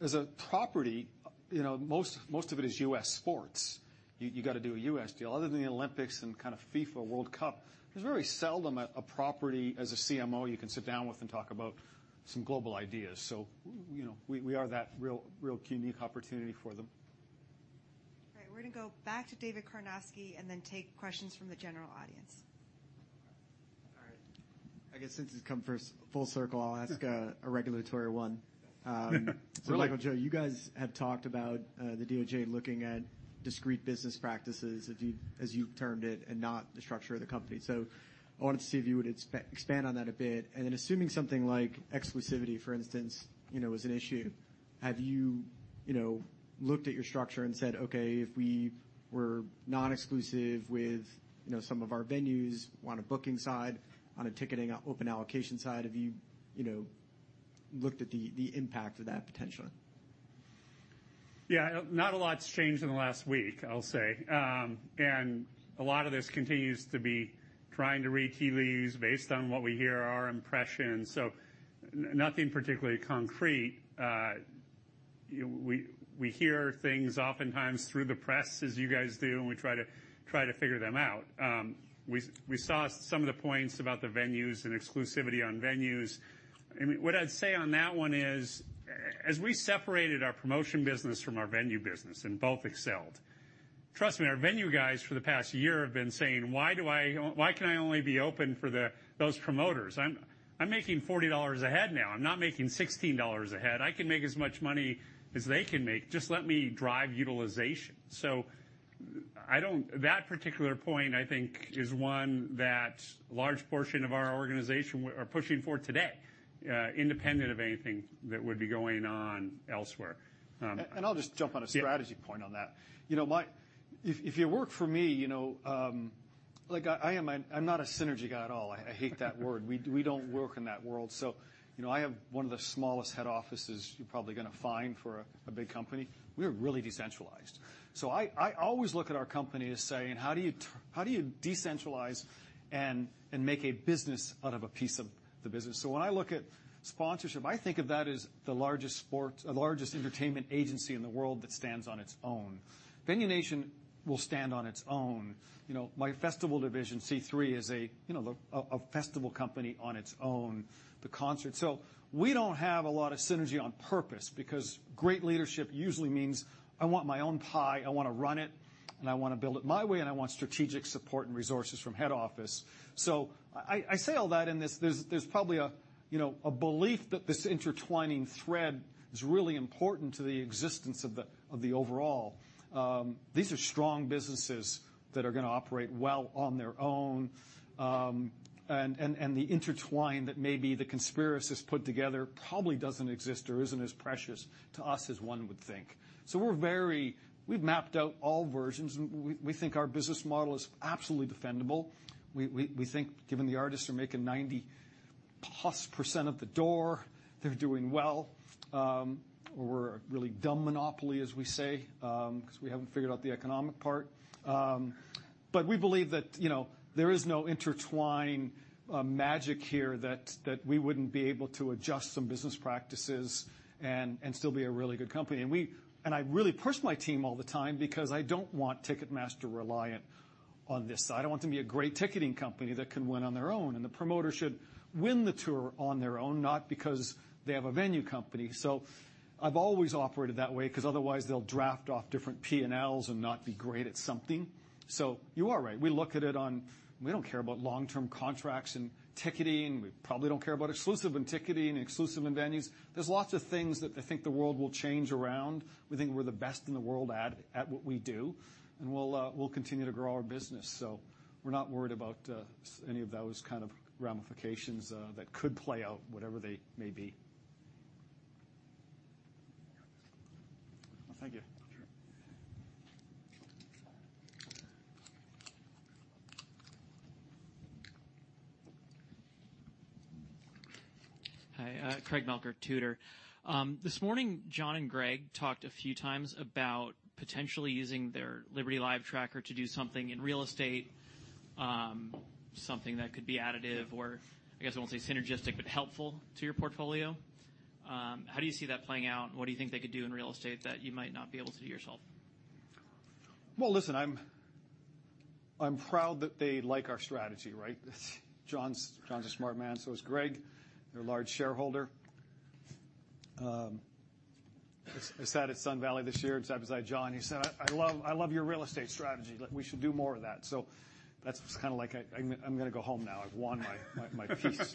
as a property, you know, most of it is U.S. sports. You, you got to do a U.S. deal. Other than the Olympics and kind of FIFA World Cup, there's very seldom, a property as a CMO, you can sit down with and talk about some global ideas. So, you know, we, are that real unique opportunity for them. All right, we're gonna go back to David Karnovsky and then take questions from the general audience. All right. I guess since it's come full circle, I'll ask a regulatory one. Really. So Michael, Joe, you guys have talked about the DOJ looking at discrete business practices, as you, as you termed it, and not the structure of the company. So I wanted to see if you would expand on that a bit. And then assuming something like exclusivity, for instance, you know, is an issue, have you, you know, looked at your structure and said, "Okay, if we were non-exclusive with, you know, some of our venues on a booking side, on a ticketing, open allocation side," have you, you know, looked at the impact of that potentially? Yeah, not a lot's changed in the last week, I'll say. And a lot of this continues to be trying to read tea leaves based on what we hear are our impressions. So nothing particularly concrete. We hear things oftentimes through the press, as you guys do, and we try to figure them out. We saw some of the points about the venues and exclusivity on venues. I mean, what I'd say on that one is, as we separated our promotion business from our venue business and both excelled, trust me, our venue guys for the past year have been saying: Why do I, why can I only be open for those promoters? I'm making $40 a head now. I'm not making $16 a head. I can make as much money as they can make. Just let me drive utilization. So, that particular point, I think, is one that a large portion of our organization are pushing for today, independent of anything that would be going on elsewhere. And I'll just jump on a strategy point on that. Yeah. You know, if you work for me, you know, like, I am a, I'm not a synergy guy at all. I hate that word. We don't work in that world. So, you know, I have one of the smallest head offices you're probably gonna find for a big company. We are really decentralized. So I always look at our company as saying: How do you decentralize and make a business out of a piece of the business? So when I look at sponsorship, I think of that as the largest entertainment agency in the world that stands on its own. Venue Nation will stand on its own. You know, my festival division, C3, is a, you know, a festival company on its own, the concert. So we don't have a lot of synergy on purpose, because great leadership usually means I want my own pie, I wanna run it, and I wanna build it my way, and I want strategic support and resources from head office. So I say all that, and there's probably, you know, a belief that this intertwining thread is really important to the existence of the overall. These are strong businesses that are gonna operate well on their own. And the intertwine that maybe the conspiracists put together probably doesn't exist or isn't as precious to us as one would think. So we're very. We've mapped out all versions, and we think our business model is absolutely defendable. We think, given the artists are making 90%+ of the door, they're doing well. or we're a really dumb monopoly, as we say, because we haven't figured out the economic part. But we believe that, you know, there is no intertwine magic here, that we wouldn't be able to adjust some business practices and still be a really good company. And I really push my team all the time because I don't want Ticketmaster reliant on this. I want them to be a great ticketing company that can win on their own, and the promoter should win the tour on their own, not because they have a venue company. So I've always operated that way, because otherwise, they'll draft off different P&Ls and not be great at something. So you are right. We look at it on... We don't care about long-term contracts in ticketing. We probably don't care about exclusive in ticketing, exclusive in venues. There's lots of things that I think the world will change around. We think we're the best in the world at what we do, and we'll continue to grow our business. So we're not worried about any of those kind of ramifications that could play out, whatever they may be. Well, thank you. Sure. Hi, Craig Melcher, Tudor. This morning, John and Greg talked a few times about potentially using their Liberty Live tracker to do something in real estate, something that could be additive or, I guess, I won't say synergistic, but helpful to your portfolio. How do you see that playing out? What do you think they could do in real estate that you might not be able to do yourself? Well, listen, I'm proud that they like our strategy, right? John's a smart man, so is Greg. They're a large shareholder. I sat at Sun Valley this year, I sat beside John, and he said, "I love your real estate strategy. Like, we should do more of that." So that's kind of like, I'm gonna go home now. I've won my piece.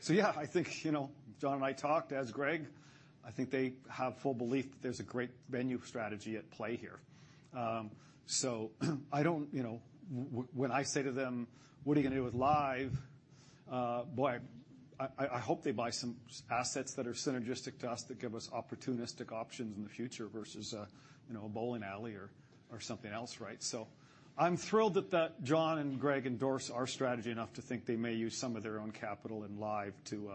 So yeah, I think, you know, John and I talked, as Greg. I think they have full belief that there's a great venue strategy at play here. So I don't... You know, when I say to them, "What are you gonna do with Live?" Boy, I hope they buy some assets that are synergistic to us, that give us opportunistic options in the future versus a, you know, a bowling alley or something else, right? So I'm thrilled that John and Greg endorse our strategy enough to think they may use some of their own capital in Live to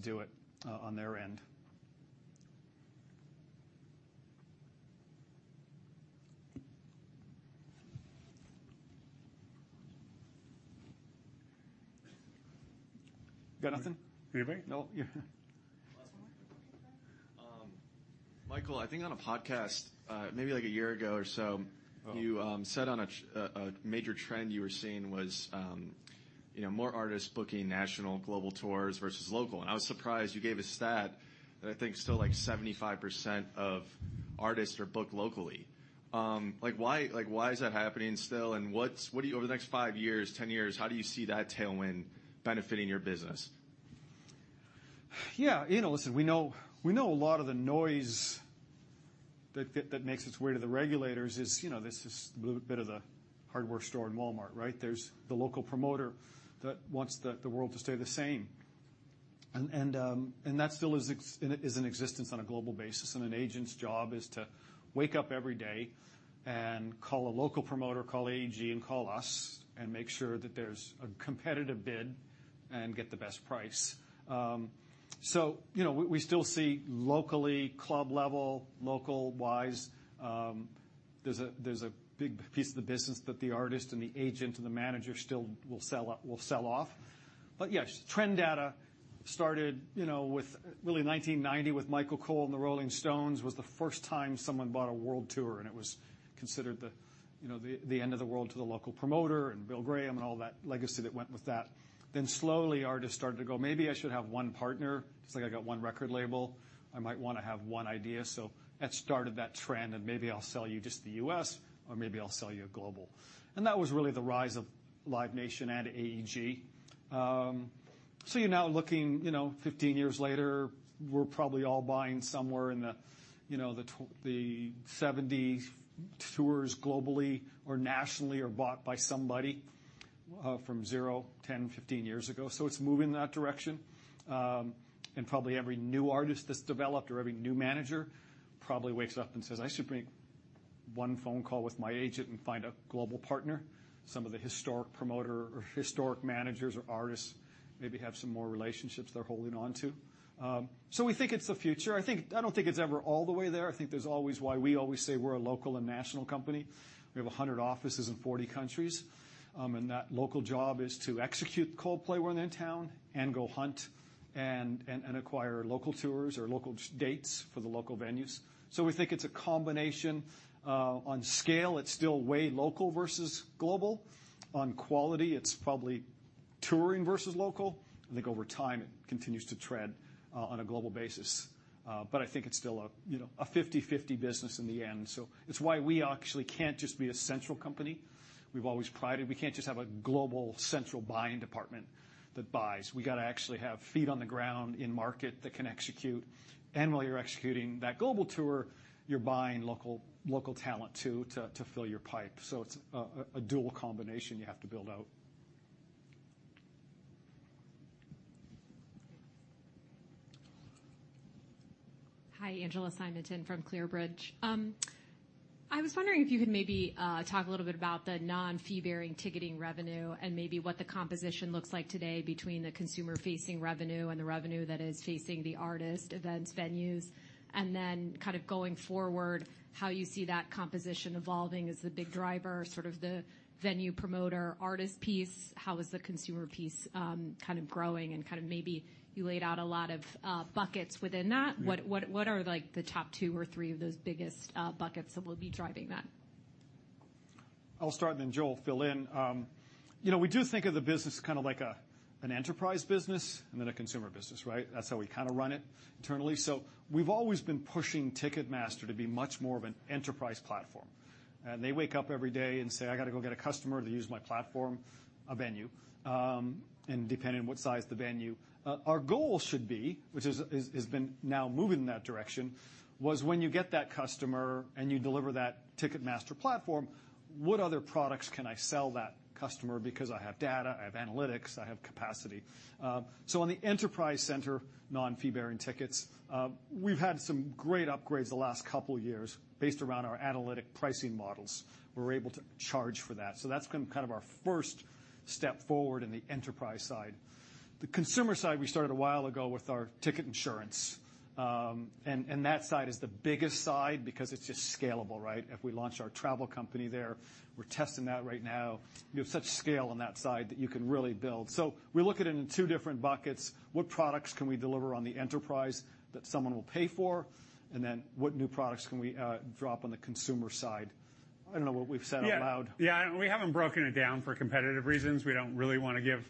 do it on their end. Got nothing? Anybody? No. Yeah. Last one. Michael, I think on a podcast, maybe like a year ago or so- Uh- You said on a major trend you were seeing was, you know, more artists booking national, global tours versus local. And I was surprised you gave a stat that I think still, like, 75% of artists are booked locally. Like, why, like, why is that happening still? And what's, what do you... Over the next five years, 10 years, how do you see that tailwind benefiting your business? Yeah, you know, listen, we know, we know a lot of the noise that makes its way to the regulators is, you know, this is a little bit of the hardware store in Walmart, right? There's the local promoter that wants the world to stay the same. And that still is in existence on a global basis, and an agent's job is to wake up every day and call a local promoter, call AEG, and call us, and make sure that there's a competitive bid, and get the best price. So, you know, we still see locally, club level, local wise, there's a big piece of the business that the artist and the agent and the manager still will sell off. But yes, trend data started, you know, with really 1990, with Michael Cohl and the Rolling Stones, was the first time someone bought a world tour, and it was considered the, you know, the end of the world to the local promoter and Bill Graham and all that legacy that went with that. Then slowly, artists started to go, "Maybe I should have one partner, just like I got one record label. I might want to have one idea." So that started that trend, and maybe I'll sell you just the U.S., or maybe I'll sell you a global. And that was really the rise of Live Nation and AEG. So you're now looking, you know, 15 years later, we're probably all buying somewhere in the, you know, the 20-70 tours globally or nationally, are bought by somebody. From zero, 10, 15 years ago, so it's moving in that direction. And probably every new artist that's developed or every new manager probably wakes up and says, "I should make one phone call with my agent and find a global partner." Some of the historic promoter or historic managers or artists maybe have some more relationships they're holding on to. So we think it's the future. I don't think it's ever all the way there. I think there's always why we always say we're a local and national company. We have 100 offices in 40 countries, and that local job is to execute Coldplay when they're in town, and go hunt and acquire local tours or local dates for the local venues. So we think it's a combination. On scale, it's still way local versus global. On quality, it's probably touring versus local. I think over time, it continues to tread on a global basis, but I think it's still a, you know, a 50/50 business in the end. So it's why we actually can't just be a central company. We've always prided... We can't just have a global, central buying department that buys. We gotta actually have feet on the ground in market that can execute, and while you're executing that global tour, you're buying local, local talent, too, to fill your pipe. So it's a, a dual combination you have to build out. Hi, Angela Simonton from ClearBridge. I was wondering if you could maybe talk a little bit about the non-fee-bearing ticketing revenue and maybe what the composition looks like today between the consumer-facing revenue and the revenue that is facing the artist, events, venues. And then kind of going forward, how you see that composition evolving as the big driver, sort of the venue promoter, artist piece, how is the consumer piece kind of growing and kind of maybe you laid out a lot of buckets within that. Yeah. What are, like, the top two or three of those biggest buckets that will be driving that? I'll start, and then Joe, fill in. You know, we do think of the business kind of like an enterprise business and then a consumer business, right? That's how we kind of run it internally. So we've always been pushing Ticketmaster to be much more of an enterprise platform, and they wake up every day and say, "I gotta go get a customer to use my platform," a venue, and depending on what size the venue. Our goal should be, which has been now moving in that direction, was when you get that customer and you deliver that Ticketmaster platform, what other products can I sell that customer? Because I have data, I have analytics, I have capacity. So on the enterprise center, non-fee-bearing tickets, we've had some great upgrades the last couple of years based around our analytic pricing models. We're able to charge for that. So that's been kind of our first step forward in the enterprise side. The consumer side, we started a while ago with our ticket insurance, and that side is the biggest side because it's just scalable, right? If we launch our travel company there, we're testing that right now. You have such scale on that side that you can really build. So we look at it in two different buckets. What products can we deliver on the enterprise that someone will pay for? And then, what new products can we drop on the consumer side? I don't know what we've said out loud. Yeah, we haven't broken it down for competitive reasons. We don't really want to give...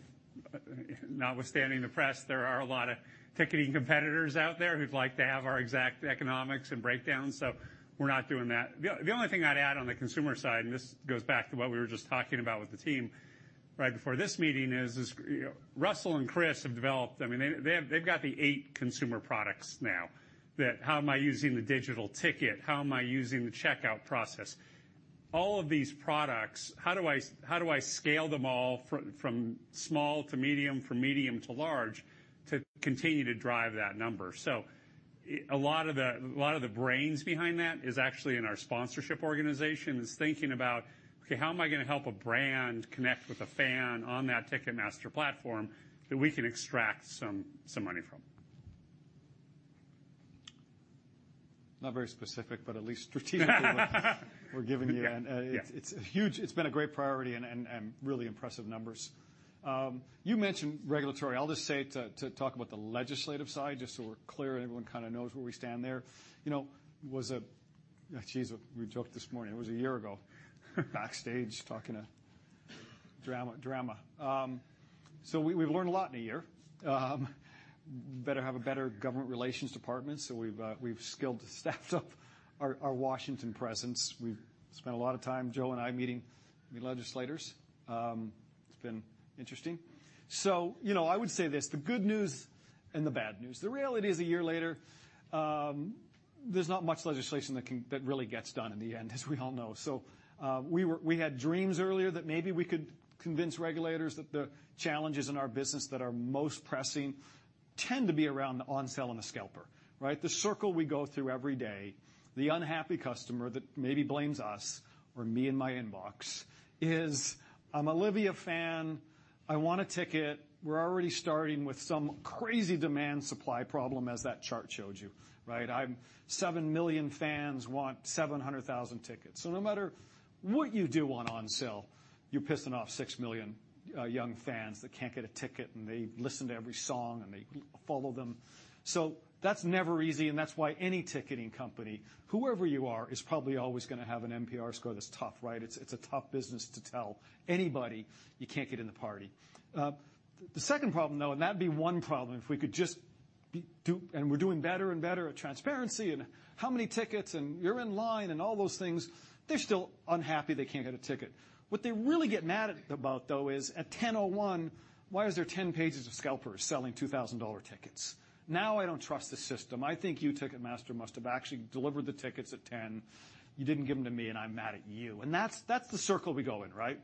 notwithstanding the press, there are a lot of ticketing competitors out there who'd like to have our exact economics and breakdowns, so we're not doing that. The only thing I'd add on the consumer side, and this goes back to what we were just talking about with the team right before this meeting, is Russell and Chris have developed, I mean, they've got the eight consumer products now. That, how am I using the digital ticket? How am I using the checkout process? All of these products, how do I scale them all from small to medium, from medium to large, to continue to drive that number? So a lot of the brains behind that is actually in our sponsorship organization, is thinking about, okay, how am I gonna help a brand connect with a fan on that Ticketmaster platform that we can extract some money from? Not very specific, but at least strategically, we're giving you. Yeah. It's huge. It's been a great priority and really impressive numbers. You mentioned regulatory. I'll just say to talk about the legislative side, just so we're clear, and everyone kind of knows where we stand there. You know, it was a, geez, we joked this morning, it was a year ago, backstage, talking to drama. So we've learned a lot in a year. Better have a better government relations department, so we've staffed up our Washington presence. We've spent a lot of time, Joe and I, meeting with legislators. It's been interesting. So you know, I would say this, the good news and the bad news. The reality is, a year later, there's not much legislation that can really get done in the end, as we all know. So, we had dreams earlier that maybe we could convince regulators that the challenges in our business that are most pressing tend to be around the onsale and the scalper, right? The circle we go through every day, the unhappy customer that maybe blames us or me and my inbox is, "I'm Olivia fan, I want a ticket." We're already starting with some crazy demand-supply problem, as that chart showed you, right? I'm, 7 million fans want 700,000 tickets. So no matter what you do on onsale, you're pissing off 6 million young fans that can't get a ticket, and they listen to every song, and they follow them. So that's never easy, and that's why any ticketing company, whoever you are, is probably always gonna have an NPS score that's tough, right? It's a tough business to tell anybody, "You can't get in the party." The second problem, though, and that'd be one problem, if we could just do, and we're doing better and better at transparency, and how many tickets, and you're in line, and all those things. They're still unhappy they can't get a ticket. What they really get mad at, about, though, is at 10:01 A.M., why is there 10 pages of scalpers selling $2,000 tickets? Now I don't trust the system. I think you, Ticketmaster, must have actually delivered the tickets at 10:00 A.M., you didn't give them to me, and I'm mad at you. And that's the circle we go in, right?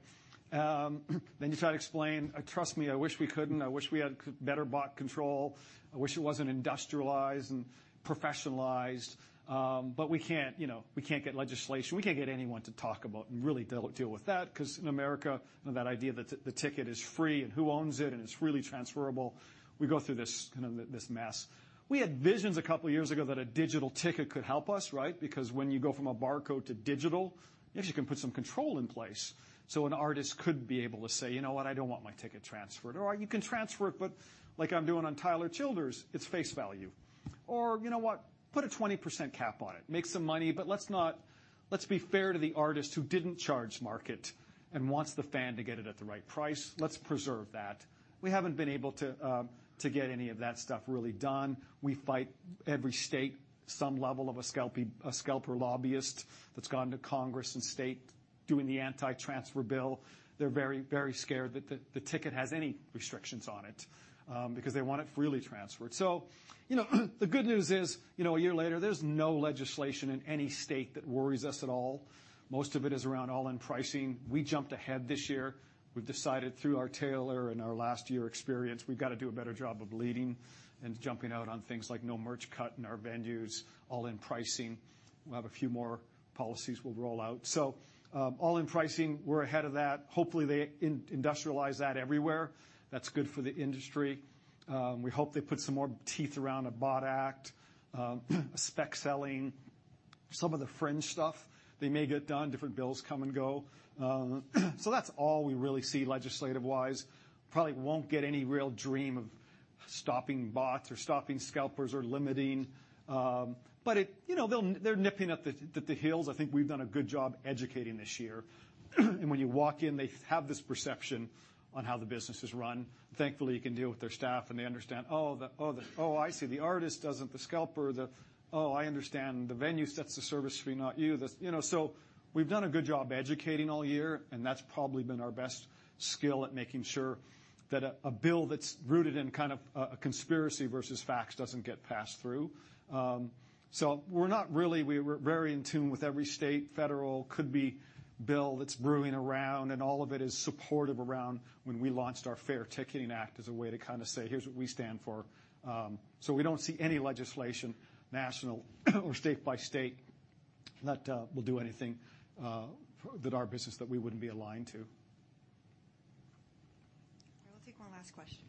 Then you try to explain, "Trust me, I wish we couldn't. I wish we had better bot control. I wish it wasn't industrialized and professionalized, but we can't, you know, we can't get legislation." We can't get anyone to talk about and really deal with that, because in America, you know that idea that the ticket is free, and who owns it, and it's freely transferable, we go through this, kind of, this mess. We had visions a couple of years ago that a digital ticket could help us, right? Because when you go from a barcode to digital, maybe you can put some control in place, so an artist could be able to say, "You know what? I don't want my ticket transferred, or you can transfer it, but like I'm doing on Tyler Childers, it's face value. Or you know what? Put a 20% cap on it. Make some money, but let's not, let's be fair to the artist who didn't charge market and wants the fan to get it at the right price. Let's preserve that." We haven't been able to get any of that stuff really done. We fight every state, some level of a scalper lobbyist that's gone to Congress and state, doing the anti-transfer bill. They're very, very scared that the ticket has any restrictions on it, because they want it freely transferred. So, you know, the good news is, you know, a year later, there's no legislation in any state that worries us at all. Most of it is around all-in pricing. We jumped ahead this year. We've decided through our tailor and our last year experience, we've got to do a better job of leading and jumping out on things like no merch cut in our venues, all-in pricing. We'll have a few more policies we'll roll out. So, all-in pricing, we're ahead of that. Hopefully, they industrialize that everywhere. That's good for the industry. We hope they put some more teeth around a BOTS Act spec selling, some of the fringe stuff. They may get done. Different bills come and go. So that's all we really see legislative-wise. Probably won't get any real dream of stopping bots or stopping scalpers or limiting... But you know, they're nipping at the heels. I think we've done a good job educating this year. And when you walk in, they have this perception on how the business is run. Thankfully, you can deal with their staff, and they understan"Oh, the - oh, the, oh, I see. The artist doesn't, the scalper, the... Oh, I understand. The venue sets the service fee, not you." You know, so we've done a good job educating all year, and that's probably been our best skill at making sure that a bill that's rooted in kind of a conspiracy versus facts doesn't get passed through. So we're very in tune with every state, federal, could-be bill that's brewing around, and all of it is supportive around when we launched our Fair Ticketing Act as a way to kind of say, "Here's what we stand for." So we don't see any legislation, national or state by state, that will do anything to our business that we wouldn't be aligned to. We'll take one last question.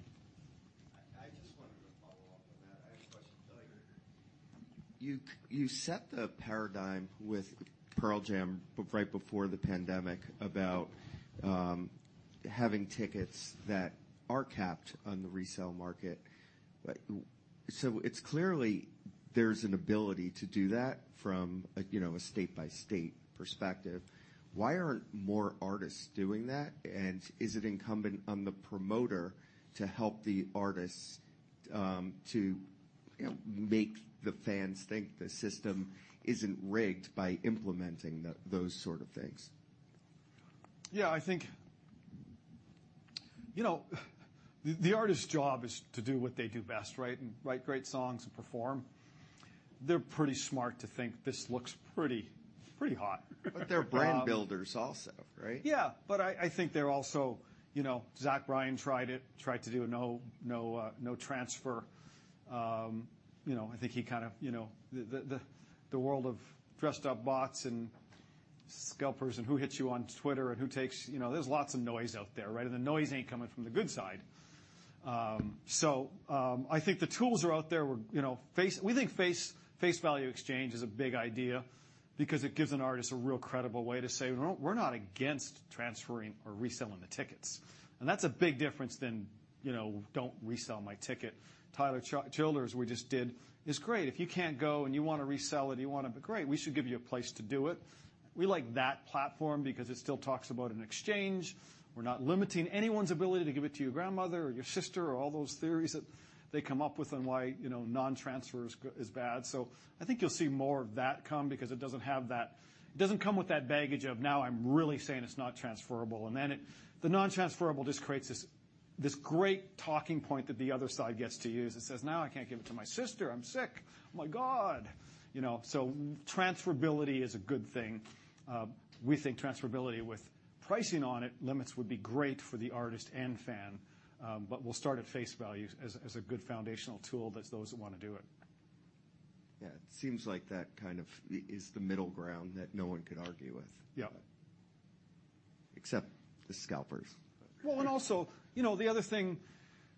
I just wanted to follow up on that. I have a question. You set the paradigm with Pearl Jam right before the pandemic about having tickets that are capped on the resale market. But so it's clearly there's an ability to do that from a, you know, a state-by-state perspective. Why aren't more artists doing that? And is it incumbent on the promoter to help the artists, to, you know, make the fans think the system isn't rigged by implementing those sort of things? Yeah, I think... You know, the artist's job is to do what they do best, right? Write great songs and perform. They're pretty smart to think this looks pretty hot. But they're brand builders also, right? Yeah, but I think they're also, you know, Zach Bryan tried to do a no transfer. You know, I think he kind of, you know... The world of dressed-up bots and scalpers and who hits you on Twitter and who takes, you know, there's lots of noise out there, right? And the noise ain't coming from the good side. So, I think the tools are out there, where, you know, face value exchange is a big idea because it gives an artist a real credible way to say, "We're not against transferring or reselling the tickets." And that's a big difference than, you know, "Don't resell my ticket." Tyler Childers, we just did, is great. If you can't go and you want to resell it, you want to... Great, we should give you a place to do it. We like that platform because it still talks about an exchange. We're not limiting anyone's ability to give it to your grandmother or your sister, or all those theories that they come up with on why, you knon-transfer is bad. So I think you'll see more of that come because it doesn't have that. It doesn't come with that baggage of, "Now I'm really saying it's not transferable." And then it, the non-transferable just creates this, this great talking point that the other side gets to use. It says, "Now I can't give it to my sister, I'm sick. Oh, my God!" You know, so transferability is a good thing. We think transferability with pricing on it, limits would be great for the artist and fan, but we'll start at face value as a good foundational tool that those that want to do it. Yeah, it seems like that kind of is the middle ground that no one could argue with. Yeah. Except the scalpers. Well, and also, you know, the other thing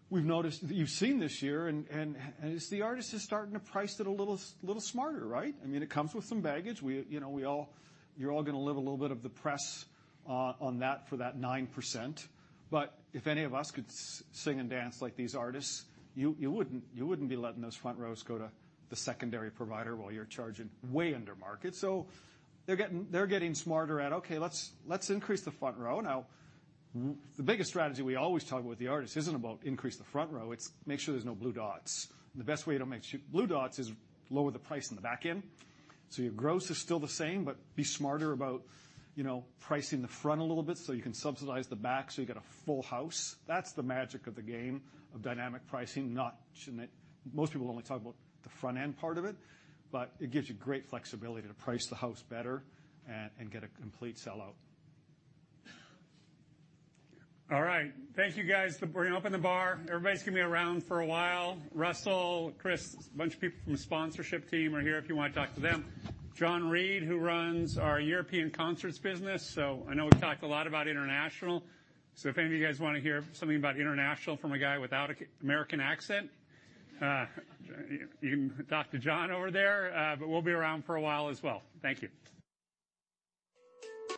we've noticed, that you've seen this year and is the artist is starting to price it a little smarter, right? I mean, it comes with some baggage. We, you know, we all, you're all going to live a little bit of the press on that for that 9%, but if any of us could sing and dance like these artists, you, you wouldn't, you wouldn't be letting those front rows go to the secondary provider while you're charging way under market. So they're getting, they're getting smarter at, "Okay, let's, let's increase the front row." Now, the biggest strategy we always talk about with the artist isn't about increase the front row, it's make sure there's no blue dots. The best way to make sure blue dots is lower the price on the back end, so your gross is still the same, but be smarter about, you know, pricing the front a little bit, so you can subsidize the back, so you get a full house. That's the magic of the game of dynamic pricing. Most people only talk about the front end part of it, but it gives you great flexibility to price the house better and get a complete sellout. All right. Thank you, guys. We're gonna open the bar. Everybody's gonna be around for a while. Russell, Chris, a bunch of people from the sponsorship team are here if you want to talk to them. John Reid, who runs our European concerts business, so I know we've talked a lot about international. If any of you guys want to hear something about international from a guy without an American accent, you can talk to John over there. But we'll be around for a while as well. Thank you.